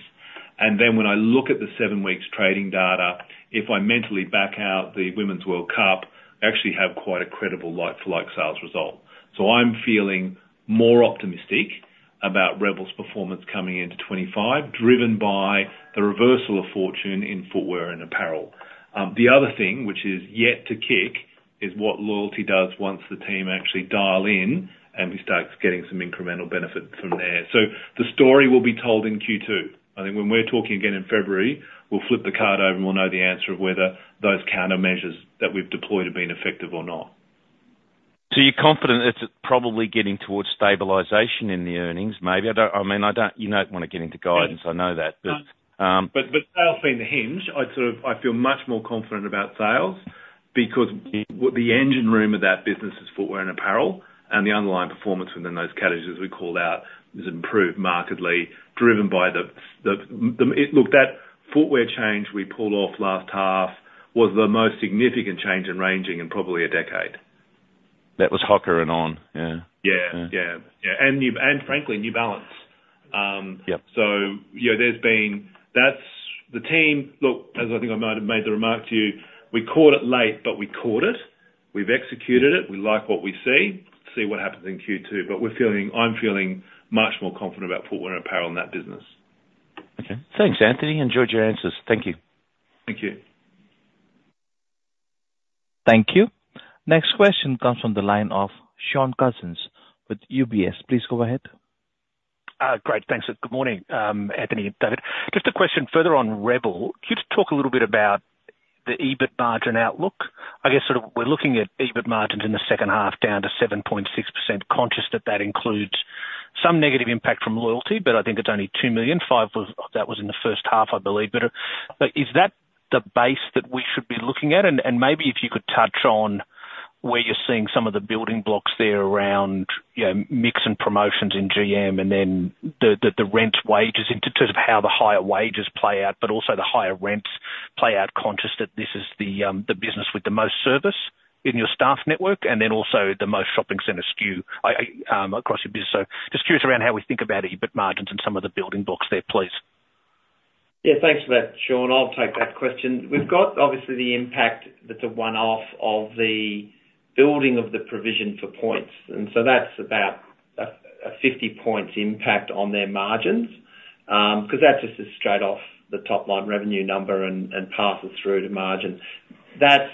And then when I look at the seven weeks trading data, if I mentally back out, the Women's World Cup actually have quite a credible like-for-like sales result. So I'm feeling more optimistic.... about Rebel's performance coming into 2025, driven by the reversal of fortune in footwear and apparel. The other thing, which is yet to kick, is what loyalty does once the team actually dial in, and we start getting some incremental benefit from there. So the story will be told in Q2. I think when we're talking again in February, we'll flip the card over, and we'll know the answer of whether those countermeasures that we've deployed have been effective or not. So you're confident it's probably getting towards stabilization in the earnings, maybe? I don't. I mean, I don't. You don't want to get into guidance, I know that, but. But sales being the hinge, I sort of, I feel much more confident about sales, because the engine room of that business is footwear and apparel, and the underlying performance within those categories, as we called out, has improved markedly, driven by the look, that footwear change we pulled off last half, was the most significant change in ranging in probably a decade. That was HOKA and On, yeah. Yeah. Yeah. Yeah, yeah. And frankly, New Balance. Yep. So, you know, that's the team. Look, as I think I might have made the remark to you, we caught it late, but we caught it. We've executed it. We like what we see. See what happens in Q2, but we're feeling. I'm feeling much more confident about footwear and apparel in that business. Okay. Thanks, Anthony. Enjoyed your answers. Thank you. Thank you. Thank you. Next question comes from the line of Shaun Cousins with UBS. Please go ahead. Great. Thanks, and good morning, Anthony and David. Just a question further on Rebel. Can you just talk a little bit about the EBIT margin outlook? I guess, sort of, we're looking at EBIT margins in the second half, down to 7.6%, conscious that that includes some negative impact from loyalty, but I think it's only 2.5 million that was in the first half, I believe. But is that the base that we should be looking at? And maybe if you could touch on where you're seeing some of the building blocks there around, you know, mix and promotions in GM, and then the rent wages, in terms of how the higher wages play out, but also the higher rents play out, conscious that this is the business with the most service in your staff network, and then also the most shopping center SKU across your business. So just curious around how we think about EBIT margins and some of the building blocks there, please. Yeah, thanks for that, Sean. I'll take that question. We've got, obviously, the impact that's a one-off of the building of the provision for points, and so that's about a 50 points impact on their margins, 'cause that's just a straight off the top line revenue number and passes through to margins. That's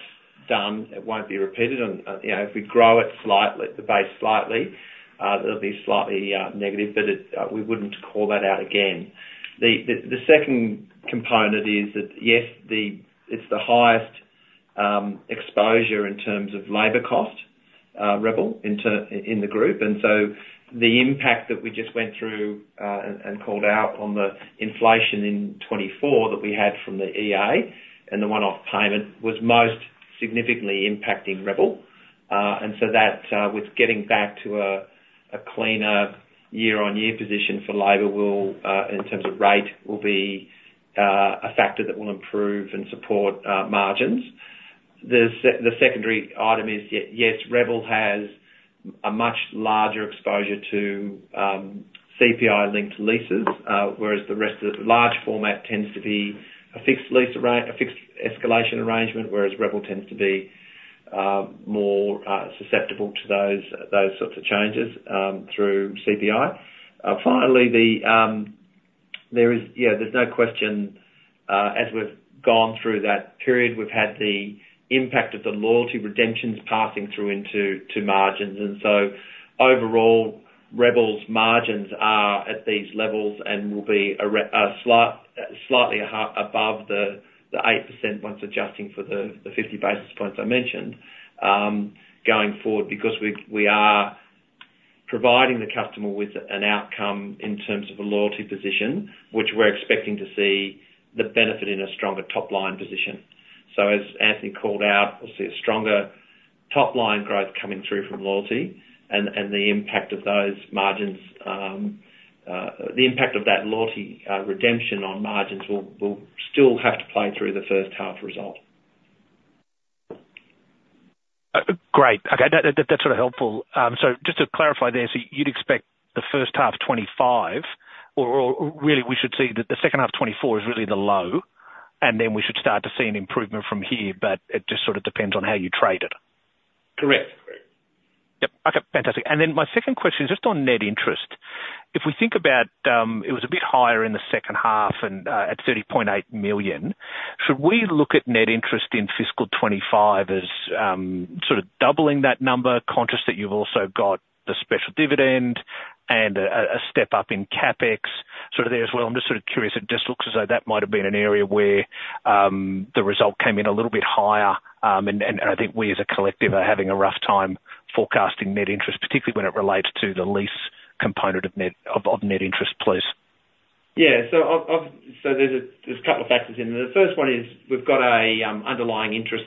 done. It won't be repeated, and, you know, if we grow it slightly, the base slightly, it'll be slightly negative, but it, we wouldn't call that out again. The second component is that, yes, it's the highest exposure in terms of labor cost, Rebel, in the group, and so the impact that we just went through, and called out on the inflation in 2024 that we had from the EA and the one-off payment, was most significantly impacting Rebel. And so that with getting back to a cleaner year-on-year position for labor will, in terms of rate, will be a factor that will improve and support margins. The secondary item is, yes, Rebel has a much larger exposure to CPI-linked leases, whereas the rest of the large format tends to be a fixed escalation arrangement, whereas Rebel tends to be more susceptible to those sorts of changes through CPI. Finally, there is, there's no question, as we've gone through that period, we've had the impact of the loyalty redemptions passing through into margins, and so overall, Rebel's margins are at these levels and will be slightly above the 8%, once adjusting for the fifty basis points I mentioned, going forward, because we are providing the customer with an outcome in terms of a loyalty position, which we're expecting to see the benefit in a stronger top-line position. So as Anthony called out, we'll see a stronger top-line growth coming through from loyalty and the impact of those margins, the impact of that loyalty redemption on margins will still have to play through the first half result. Great. Okay, that's sort of helpful. So just to clarify there, so you'd expect the first half of 2025, or really we should see that the second half of 2024 is really the low, and then we should start to see an improvement from here, but it just sort of depends on how you trade it? Correct. Yep. Okay, fantastic. And then my second question is just on net interest. If we think about, it was a bit higher in the second half and, at 30.8 million, should we look at net interest in fiscal 2025 as, sort of doubling that number, conscious that you've also got the special dividend and a step up in CapEx sort of there as well? I'm just sort of curious. It just looks as though that might have been an area where, the result came in a little bit higher, and I think we as a collective are having a rough time forecasting net interest, particularly when it relates to the lease component of net interest, please. Yeah, so there's a couple of factors in there. The first one is: we've got a underlying interest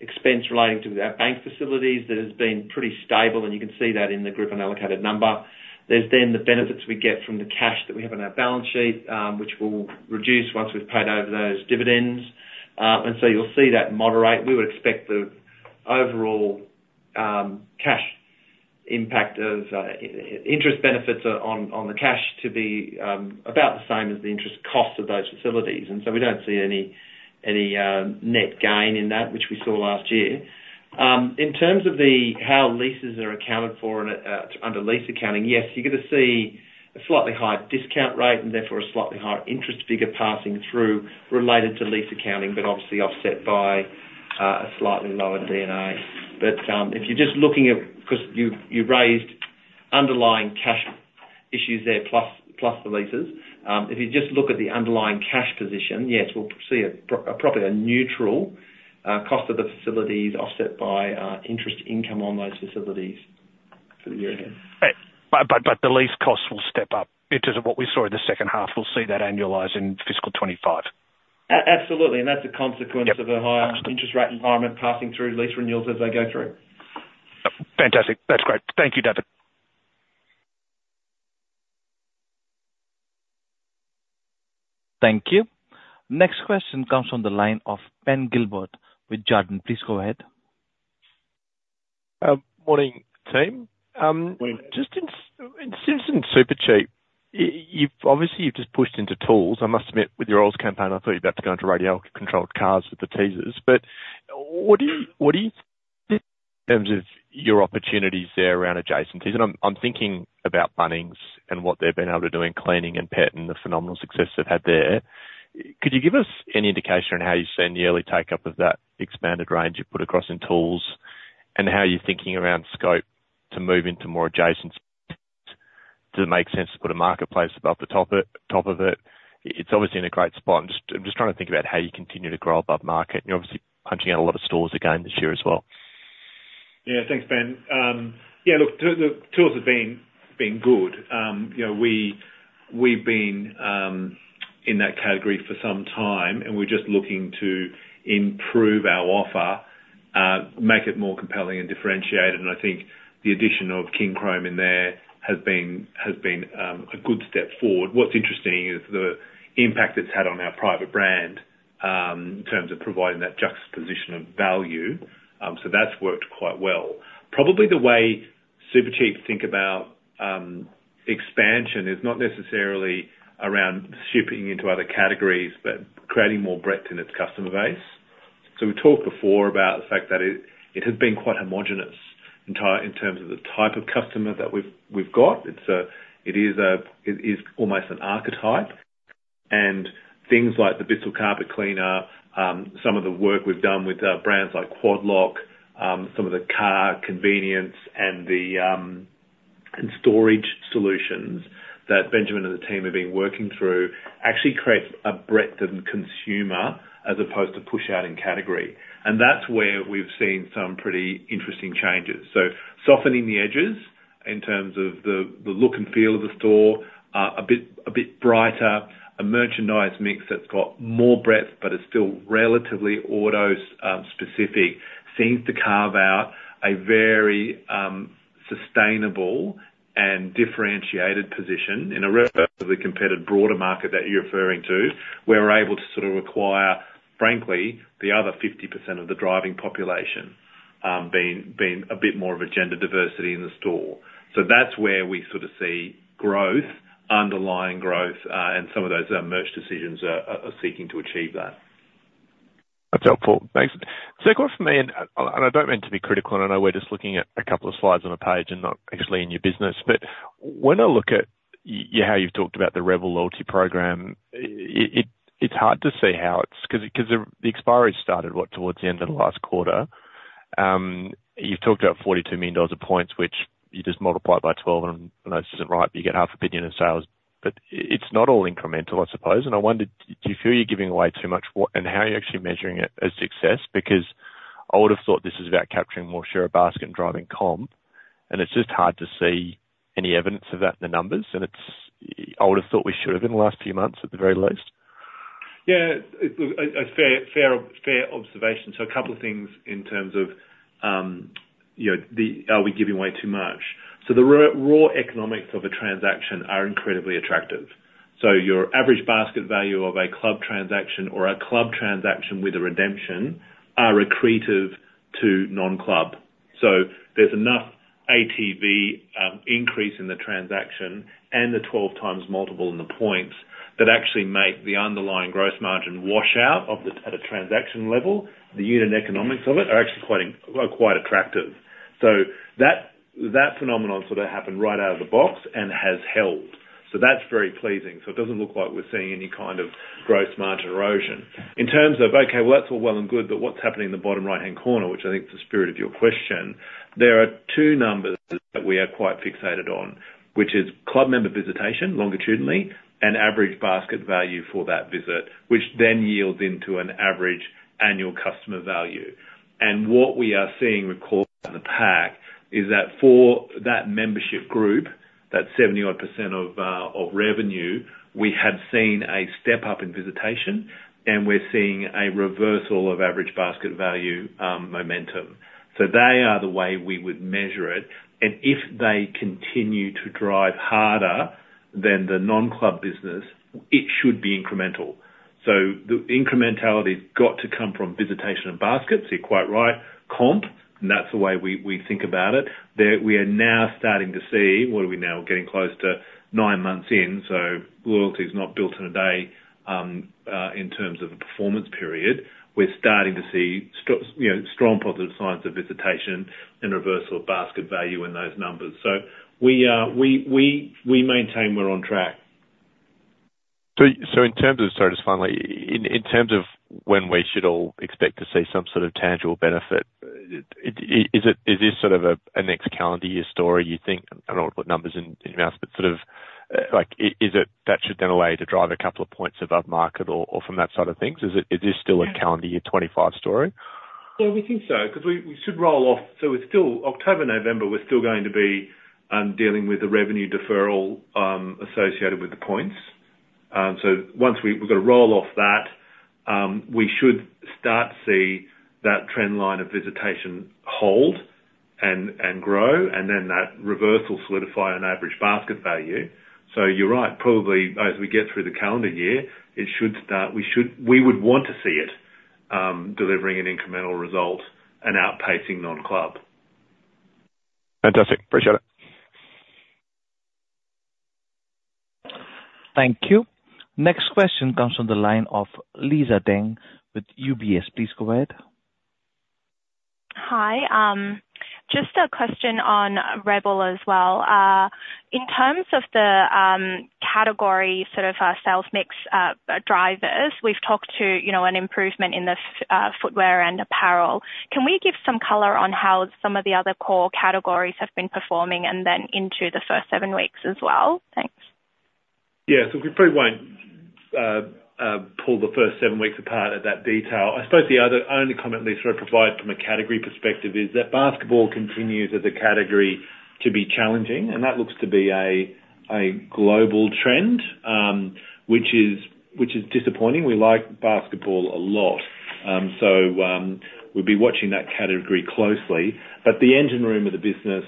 expense relating to our bank facilities that has been pretty stable, and you can see that in the group and allocated number. There's then the benefits we get from the cash that we have on our balance sheet, which will reduce once we've paid over those dividends. And so you'll see that moderate. We would expect the overall cash impact of interest benefits on the cash to be about the same as the interest costs of those facilities, and so we don't see any net gain in that, which we saw last year.... In terms of the, how leases are accounted for in, under lease accounting, yes, you're gonna see a slightly higher discount rate, and therefore a slightly higher interest figure passing through related to lease accounting, but obviously offset by, a slightly lower D&A. But, if you're just looking at-- 'cause you, you raised underlying cash issues there, plus the leases. If you just look at the underlying cash position, yes, we'll see probably a neutral, cost of the facilities offset by, interest income on those facilities for the year ahead. But the lease costs will step up in terms of what we saw in the second half. We'll see that annualize in fiscal 2025? A- absolutely. Yep. and that's a consequence of a higher- Understood... interest rate environment passing through lease renewals as they go through. Fantastic. That's great. Thank you, David. Thank you. Next question comes from the line of Ben Gilbert with Jarden. Please go ahead. Morning, team. Morning. Just in Supercheap, you've obviously just pushed into tools. I must admit, with your oils campaign, I thought you're about to go into radio-controlled cars with the teasers. But what do you think in terms of your opportunities there around adjacencies? And I'm thinking about Bunnings and what they've been able to do in cleaning and pet, and the phenomenal success they've had there. Could you give us any indication on how you see a yearly take-up of that expanded range you've put across in tools, and how you're thinking around scope to move into more adjacencies? Does it make sense to put a marketplace above the top of it? It's obviously in a great spot. I'm just trying to think about how you continue to grow above market, and you're obviously pushing out a lot of stores again this year as well. Yeah. Thanks, Ben. Yeah, look, the tools have been good. You know, we, we've been in that category for some time, and we're just looking to improve our offer, make it more compelling and differentiated, and I think the addition of Kincrome in there has been a good step forward. What's interesting is the impact it's had on our private brand in terms of providing that juxtaposition of value, so that's worked quite well. Probably the way Supercheap think about expansion is not necessarily around shipping into other categories, but creating more breadth in its customer base. So we talked before about the fact that it has been quite homogenous in terms of the type of customer that we've got. It is almost an archetype, and things like the Bissell carpet cleaner, some of the work we've done with brands like Quad Lock, some of the car convenience and the storage solutions that Benjamin and the team have been working through, actually creates a breadth of consumer as opposed to push out in category. And that's where we've seen some pretty interesting changes. So softening the edges in terms of the look and feel of the store, a bit brighter. A merchandise mix that's got more breadth, but is still relatively auto specific, seems to carve out a very sustainable and differentiated position in a relatively competitive broader market that you're referring to, where we're able to sort of acquire, frankly, the other 50% of the driving population, being a bit more of a gender diversity in the store. So that's where we sort of see growth, underlying growth, and some of those merch decisions are seeking to achieve that. That's helpful. Thanks. Second one for me, and I don't mean to be critical, and I know we're just looking at a couple of slides on a page and not actually in your business, but when I look at you, how you've talked about the Rebel loyalty program, it, it's hard to see how it's 'cause the expiry started, what? Towards the end of the last quarter. You've talked about 42 million dollars of points, which you just multiply by twelve, and I know this isn't right, but you get 500 million in sales. But it's not all incremental, I suppose, and I wondered, do you feel you're giving away too much for, and how are you actually measuring it as success? Because I would've thought this is about capturing more share of basket and driving comp, and it's just hard to see any evidence of that in the numbers, and it's, I would've thought we should have in the last few months, at the very least. Yeah, look, a fair observation. So a couple of things in terms of, you know, are we giving away too much? So the raw economics of a transaction are incredibly attractive. So your average basket value of a club transaction or a club transaction with a redemption, are accretive to non-club. So there's enough ATB increase in the transaction and the twelve times multiple in the points, that actually make the underlying gross margin wash out at a transaction level. The unit economics of it are actually quite attractive. So that phenomenon sort of happened right out of the box and has held, so that's very pleasing. So it doesn't look like we're seeing any kind of gross margin erosion. In terms of, okay, well, that's all well and good, but what's happening in the bottom right-hand corner, which I think is the spirit of your question, there are two numbers that we are quite fixated on, which is club member visitation, longitudinally, and average basket value for that visit, which then yields into an average annual customer value. And what we are seeing recorded in the Macpac, is that for that membership group, that 70-odd% of revenue, we have seen a step-up in visitation, and we're seeing a reversal of average basket value momentum. So they are the way we would measure it, and if they continue to drive harder than the non-club business, it should be incremental. So the incrementality's got to come from visitation and baskets, you're quite right, comp, and that's the way we, we think about it. We are now starting to see, what are we now? Getting close to nine months in, so loyalty is not built in a day, in terms of a performance period. We're starting to see, you know, strong positive signs of visitation and reversal of basket value in those numbers. So we maintain we're on track. So in terms of, sorry, just finally, in terms of when we should all expect to see some sort of tangible benefit, is it, is this sort of a next calendar year story, you think? I don't know what numbers and amounts, but sort of, like, is it that should then a way to drive a couple of points above market or from that side of things. Is this still a calendar year twenty-five story? Yeah, we think so, 'cause we should roll off. So it's still October, November, we're still going to be dealing with the revenue deferral associated with the points. So once we've got to roll off that, we should start to see that trend line of visitation hold and grow, and then that reversal solidify on average basket value. So you're right, probably as we get through the calendar year, it should start. We should. We would want to see it delivering an incremental result and outpacing non-club. Fantastic. Appreciate it. Thank you. Next question comes from the line of Lisa Deng with UBS. Please go ahead. Hi. Just a question on Rebel as well. In terms of the category, sort of, sales mix, drivers, we've talked to, you know, an improvement in the footwear and apparel. Can we give some color on how some of the other core categories have been performing, and then into the first seven weeks as well? Thanks. Yeah, so we probably won't pull the first seven weeks apart at that detail. I suppose the other only comment we sort of provide from a category perspective is that basketball continues as a category to be challenging, and that looks to be a global trend, which is disappointing. We like basketball a lot. So, we'll be watching that category closely. But the engine room of the business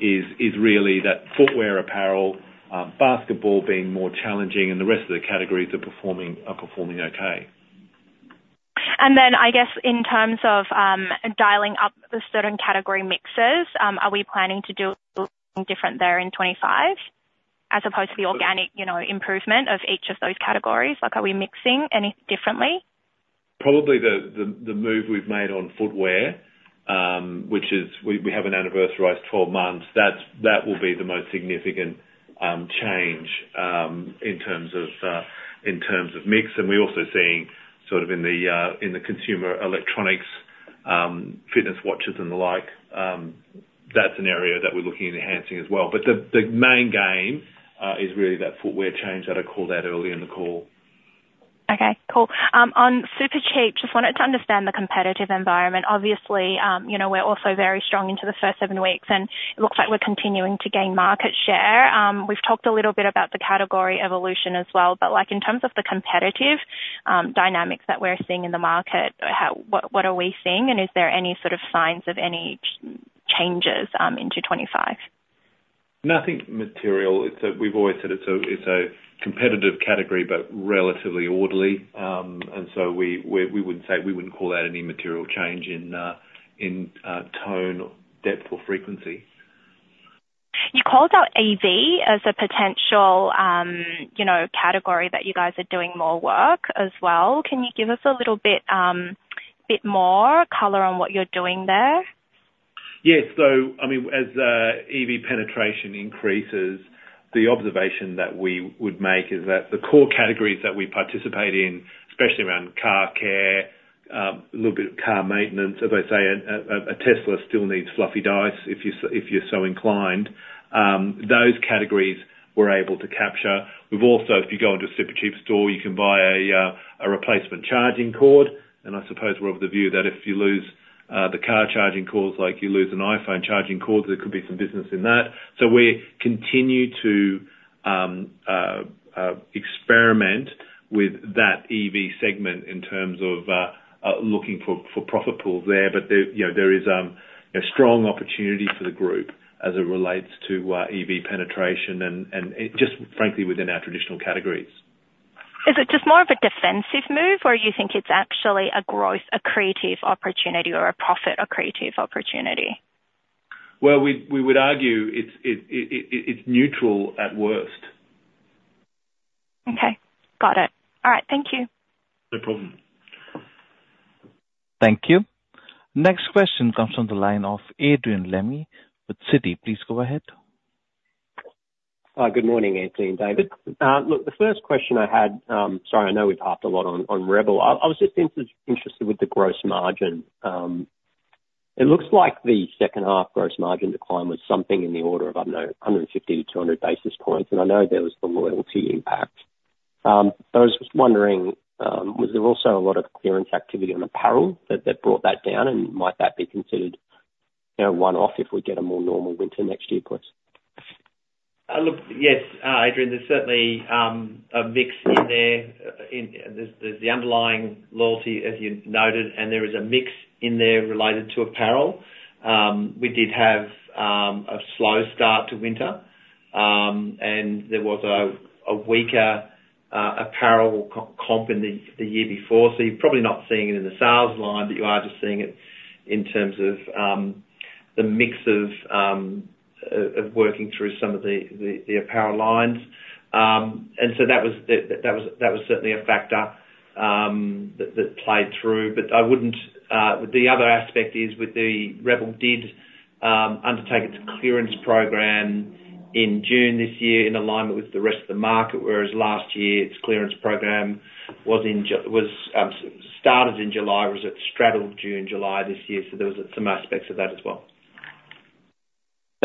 is really that footwear, apparel, basketball being more challenging, and the rest of the categories are performing okay. And then, I guess, in terms of dialing up the certain category mixes, are we planning to do anything different there in 2025, as opposed to the organic, you know, improvement of each of those categories? Like, are we mixing any differently? Probably the move we've made on footwear, which is we have an anniversaried twelve months, that will be the most significant change in terms of mix, and we're also seeing sort of in the consumer electronics, fitness watches and the like, that's an area that we're looking at enhancing as well. But the main game is really that footwear change that I called out early in the call. Okay, cool. On Supercheap, just wanted to understand the competitive environment. Obviously, you know, we're also very strong into the first seven weeks, and it looks like we're continuing to gain market share. We've talked a little bit about the category evolution as well, but, like, in terms of the competitive dynamics that we're seeing in the market, how, what are we seeing, and is there any sort of signs of any changes into twenty-five? Nothing material. We've always said it's a competitive category, but relatively orderly. And so we wouldn't call that any material change in tone, depth, or frequency. You called out EV as a potential, you know, category that you guys are doing more work as well. Can you give us a little bit more color on what you're doing there? Yes. So I mean, as EV penetration increases, the observation that we would make is that the core categories that we participate in, especially around car care, a little bit of car maintenance, as I say, a Tesla still needs fluffy dice if you're so inclined, those categories we're able to capture. We've also, if you go into a Supercheap store, you can buy a replacement charging cord, and I suppose we're of the view that if you lose the car charging cords, like you lose an iPhone charging cord, there could be some business in that. So we continue to experiment with that EV segment in terms of looking for profit pools there. But you know, there is a strong opportunity for the group as it relates to EV penetration and it just frankly within our traditional categories. Is it just more of a defensive move, or you think it's actually a growth, accretive opportunity or a profit accretive opportunity? Well, we would argue it's neutral at worst. Okay. Got it. All right, thank you. No problem. Thank you. Next question comes from the line of Adrian Lemme with Citi. Please go ahead. Good morning, Anthony and David. Look, the first question I had, sorry, I know we've talked a lot on Rebel. I was just interested with the gross margin. It looks like the second half gross margin decline was something in the order of, I don't know, 150-200 basis points, and I know there was the loyalty impact. But I was just wondering, was there also a lot of clearance activity on apparel that brought that down, and might that be considered, you know, one-off if we get a more normal winter next year, please? Look, yes, Adrian, there's certainly a mix in there. There's the underlying loyalty, as you noted, and there is a mix in there related to apparel. We did have a slow start to winter, and there was a weaker-... apparel comp in the year before, so you're probably not seeing it in the sales line, but you are just seeing it in terms of the mix of working through some of the apparel lines. And so that was certainly a factor that played through, but I wouldn't. The other aspect is with the Rebel did undertake its clearance program in June this year, in alignment with the rest of the market, whereas last year, its clearance program was started in July, or it straddled June, July this year, so there was some aspects of that as well.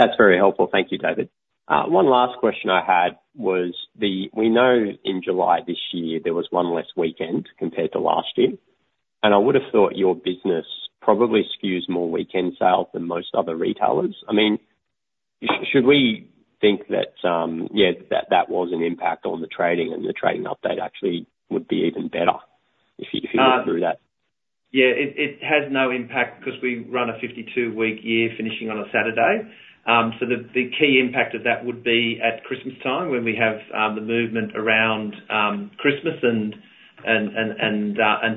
That's very helpful. Thank you, David. One last question I had was, we know in July this year, there was one less weekend compared to last year, and I would've thought your business probably skews more weekend sales than most other retailers. I mean, should we think that, yeah, that was an impact on the trading, and the trading update actually would be even better, if you went through that? Yeah, it has no impact, 'cause we run a 52-week year, finishing on a Saturday. So the key impact of that would be at Christmas time, when we have the movement around Christmas and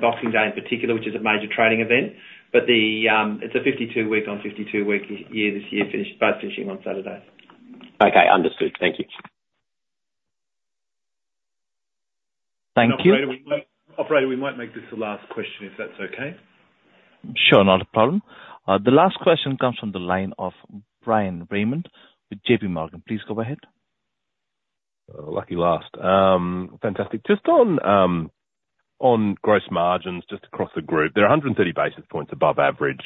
Boxing Day in particular, which is a major trading event. But it's a fifty-two-week on fifty-two-week year this year, both finishing on Saturday. Okay, understood. Thank you. Thank you. Operator, we might make this the last question, if that's okay? Sure, not a problem. The last question comes from the line of Bryan Raymond with JPMorgan. Please go ahead. Lucky last. Fantastic. Just on gross margins, just across the group, they're a hundred and thirty basis points above pre-COVID.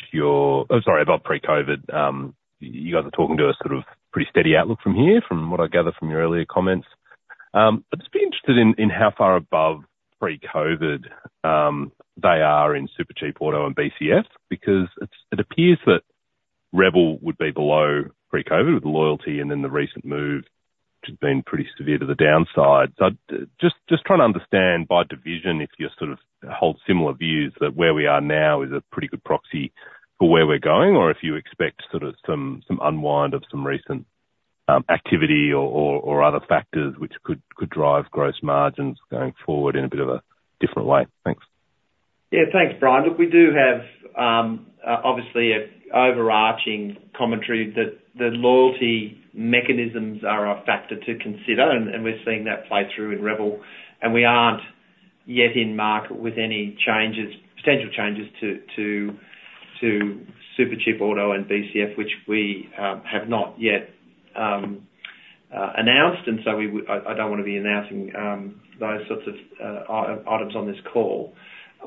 You guys are talking to a sort of pretty steady outlook from here, from what I gather from your earlier comments. I'd just be interested in how far above pre-COVID they are in Supercheap Auto and BCF, because it appears that Rebel would be below pre-COVID with loyalty, and then the recent move, which has been pretty severe to the downside. So, just trying to understand by division, if you sort of hold similar views, that where we are now is a pretty good proxy for where we're going, or if you expect sort of some unwind of some recent activity or other factors which could drive gross margins going forward in a bit of a different way? Thanks. Yeah, thanks, Bryan. Look, we do have, obviously, a overarching commentary that the loyalty mechanisms are a factor to consider, and we're seeing that play through in Rebel, and we aren't yet in market with any changes, potential changes to Supercheap Auto and BCF, which we have not yet announced, and so we I don't wanna be announcing those sorts of items on this call.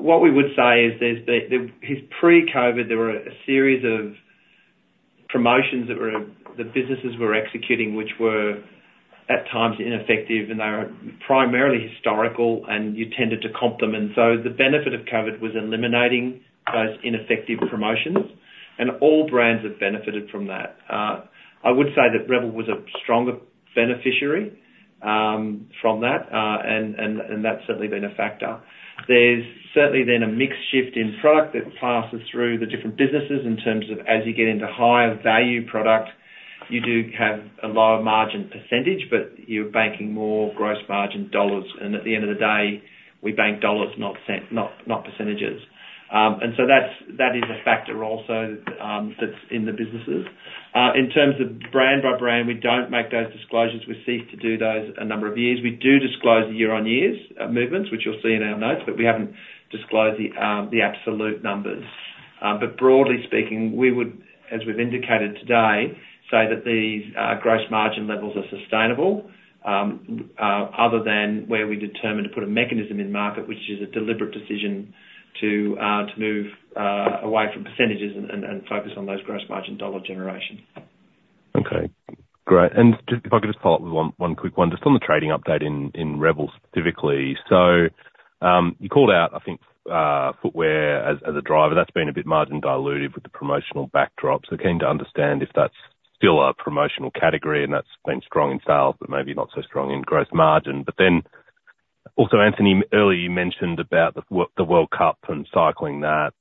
What we would say is there's the pre-COVID, there were a series of promotions that were the businesses were executing, which were at times ineffective, and they were primarily historical, and you tended to complement. So the benefit of COVID was eliminating those ineffective promotions, and all brands have benefited from that. I would say that Rebel was a stronger beneficiary from that, and that's certainly been a factor. There's certainly been a mixed shift in product that passes through the different businesses, in terms of as you get into higher value product, you do have a lower margin percentage, but you're banking more gross margin dollars, and at the end of the day, we bank dollars, not percentages. And so that's a factor also, that's in the businesses. In terms of brand by brand, we don't make those disclosures. We ceased to do those a number of years. We do disclose the year-on-years movements, which you'll see in our notes, but we haven't disclosed the absolute numbers. but broadly speaking, we would, as we've indicated today, say that the gross margin levels are sustainable, other than where we determine to put a mechanism in the market, which is a deliberate decision to move away from percentages and focus on those gross margin dollar generation. Okay, great. And just if I could just follow up with one quick one, just on the trading update in Rebel, specifically. So, you called out, I think, footwear as a driver that's been a bit margin dilutive with the promotional backdrop. So keen to understand if that's still a promotional category, and that's been strong in sales, but maybe not so strong in gross margin. But then also, Anthony, earlier you mentioned about the World Cup and cycling, that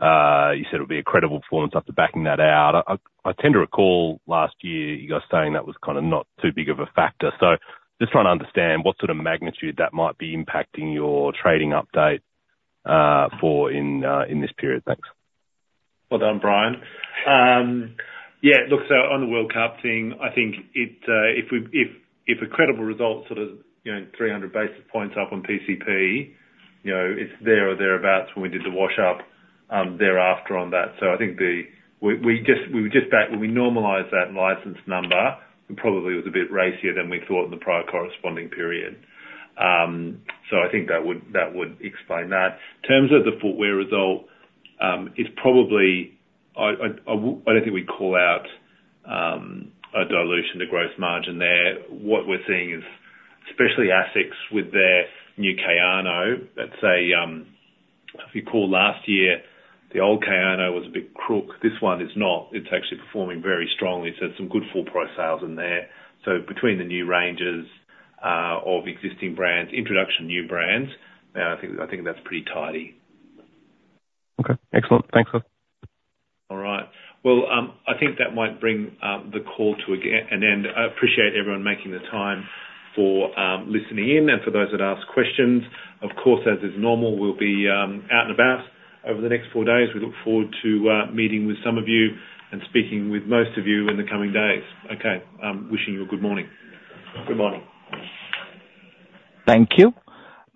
you said it would be a credible performance after backing that out. I tend to recall last year, you guys saying that was kind of not too big of a factor, so just trying to understand what sort of magnitude that might be impacting your trading update for this period? Thanks. Well done, Bryan. Yeah, look, so on the World Cup thing, I think it, if a credible result, sort of, you know, 300 basis points up on PCP, you know, it's there or thereabouts when we did the wash up, thereafter on that. So I think we just, we were just back when we normalized that license number, it probably was a bit racier than we thought in the prior corresponding period. So I think that would explain that. In terms of the footwear result, it's probably. I don't think we'd call out a dilution to gross margin there. What we're seeing is, especially ASICS, with their new Kayano, let's say, if you recall last year, the old Kayano was a bit crook. This one is not. It's actually performing very strongly, so some good full price sales in there. So between the new ranges of existing brands, introduction of new brands, I think that's pretty tidy. Okay, excellent. Thanks a lot. All right. Well, I think that might bring the call to an end. I appreciate everyone making the time for listening in, and for those that asked questions. Of course, as is normal, we'll be out and about over the next four days. We look forward to meeting with some of you and speaking with most of you in the coming days. Okay, I'm wishing you a good morning. Good morning. Thank you.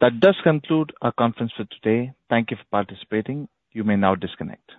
That does conclude our conference for today. Thank you for participating. You may now disconnect.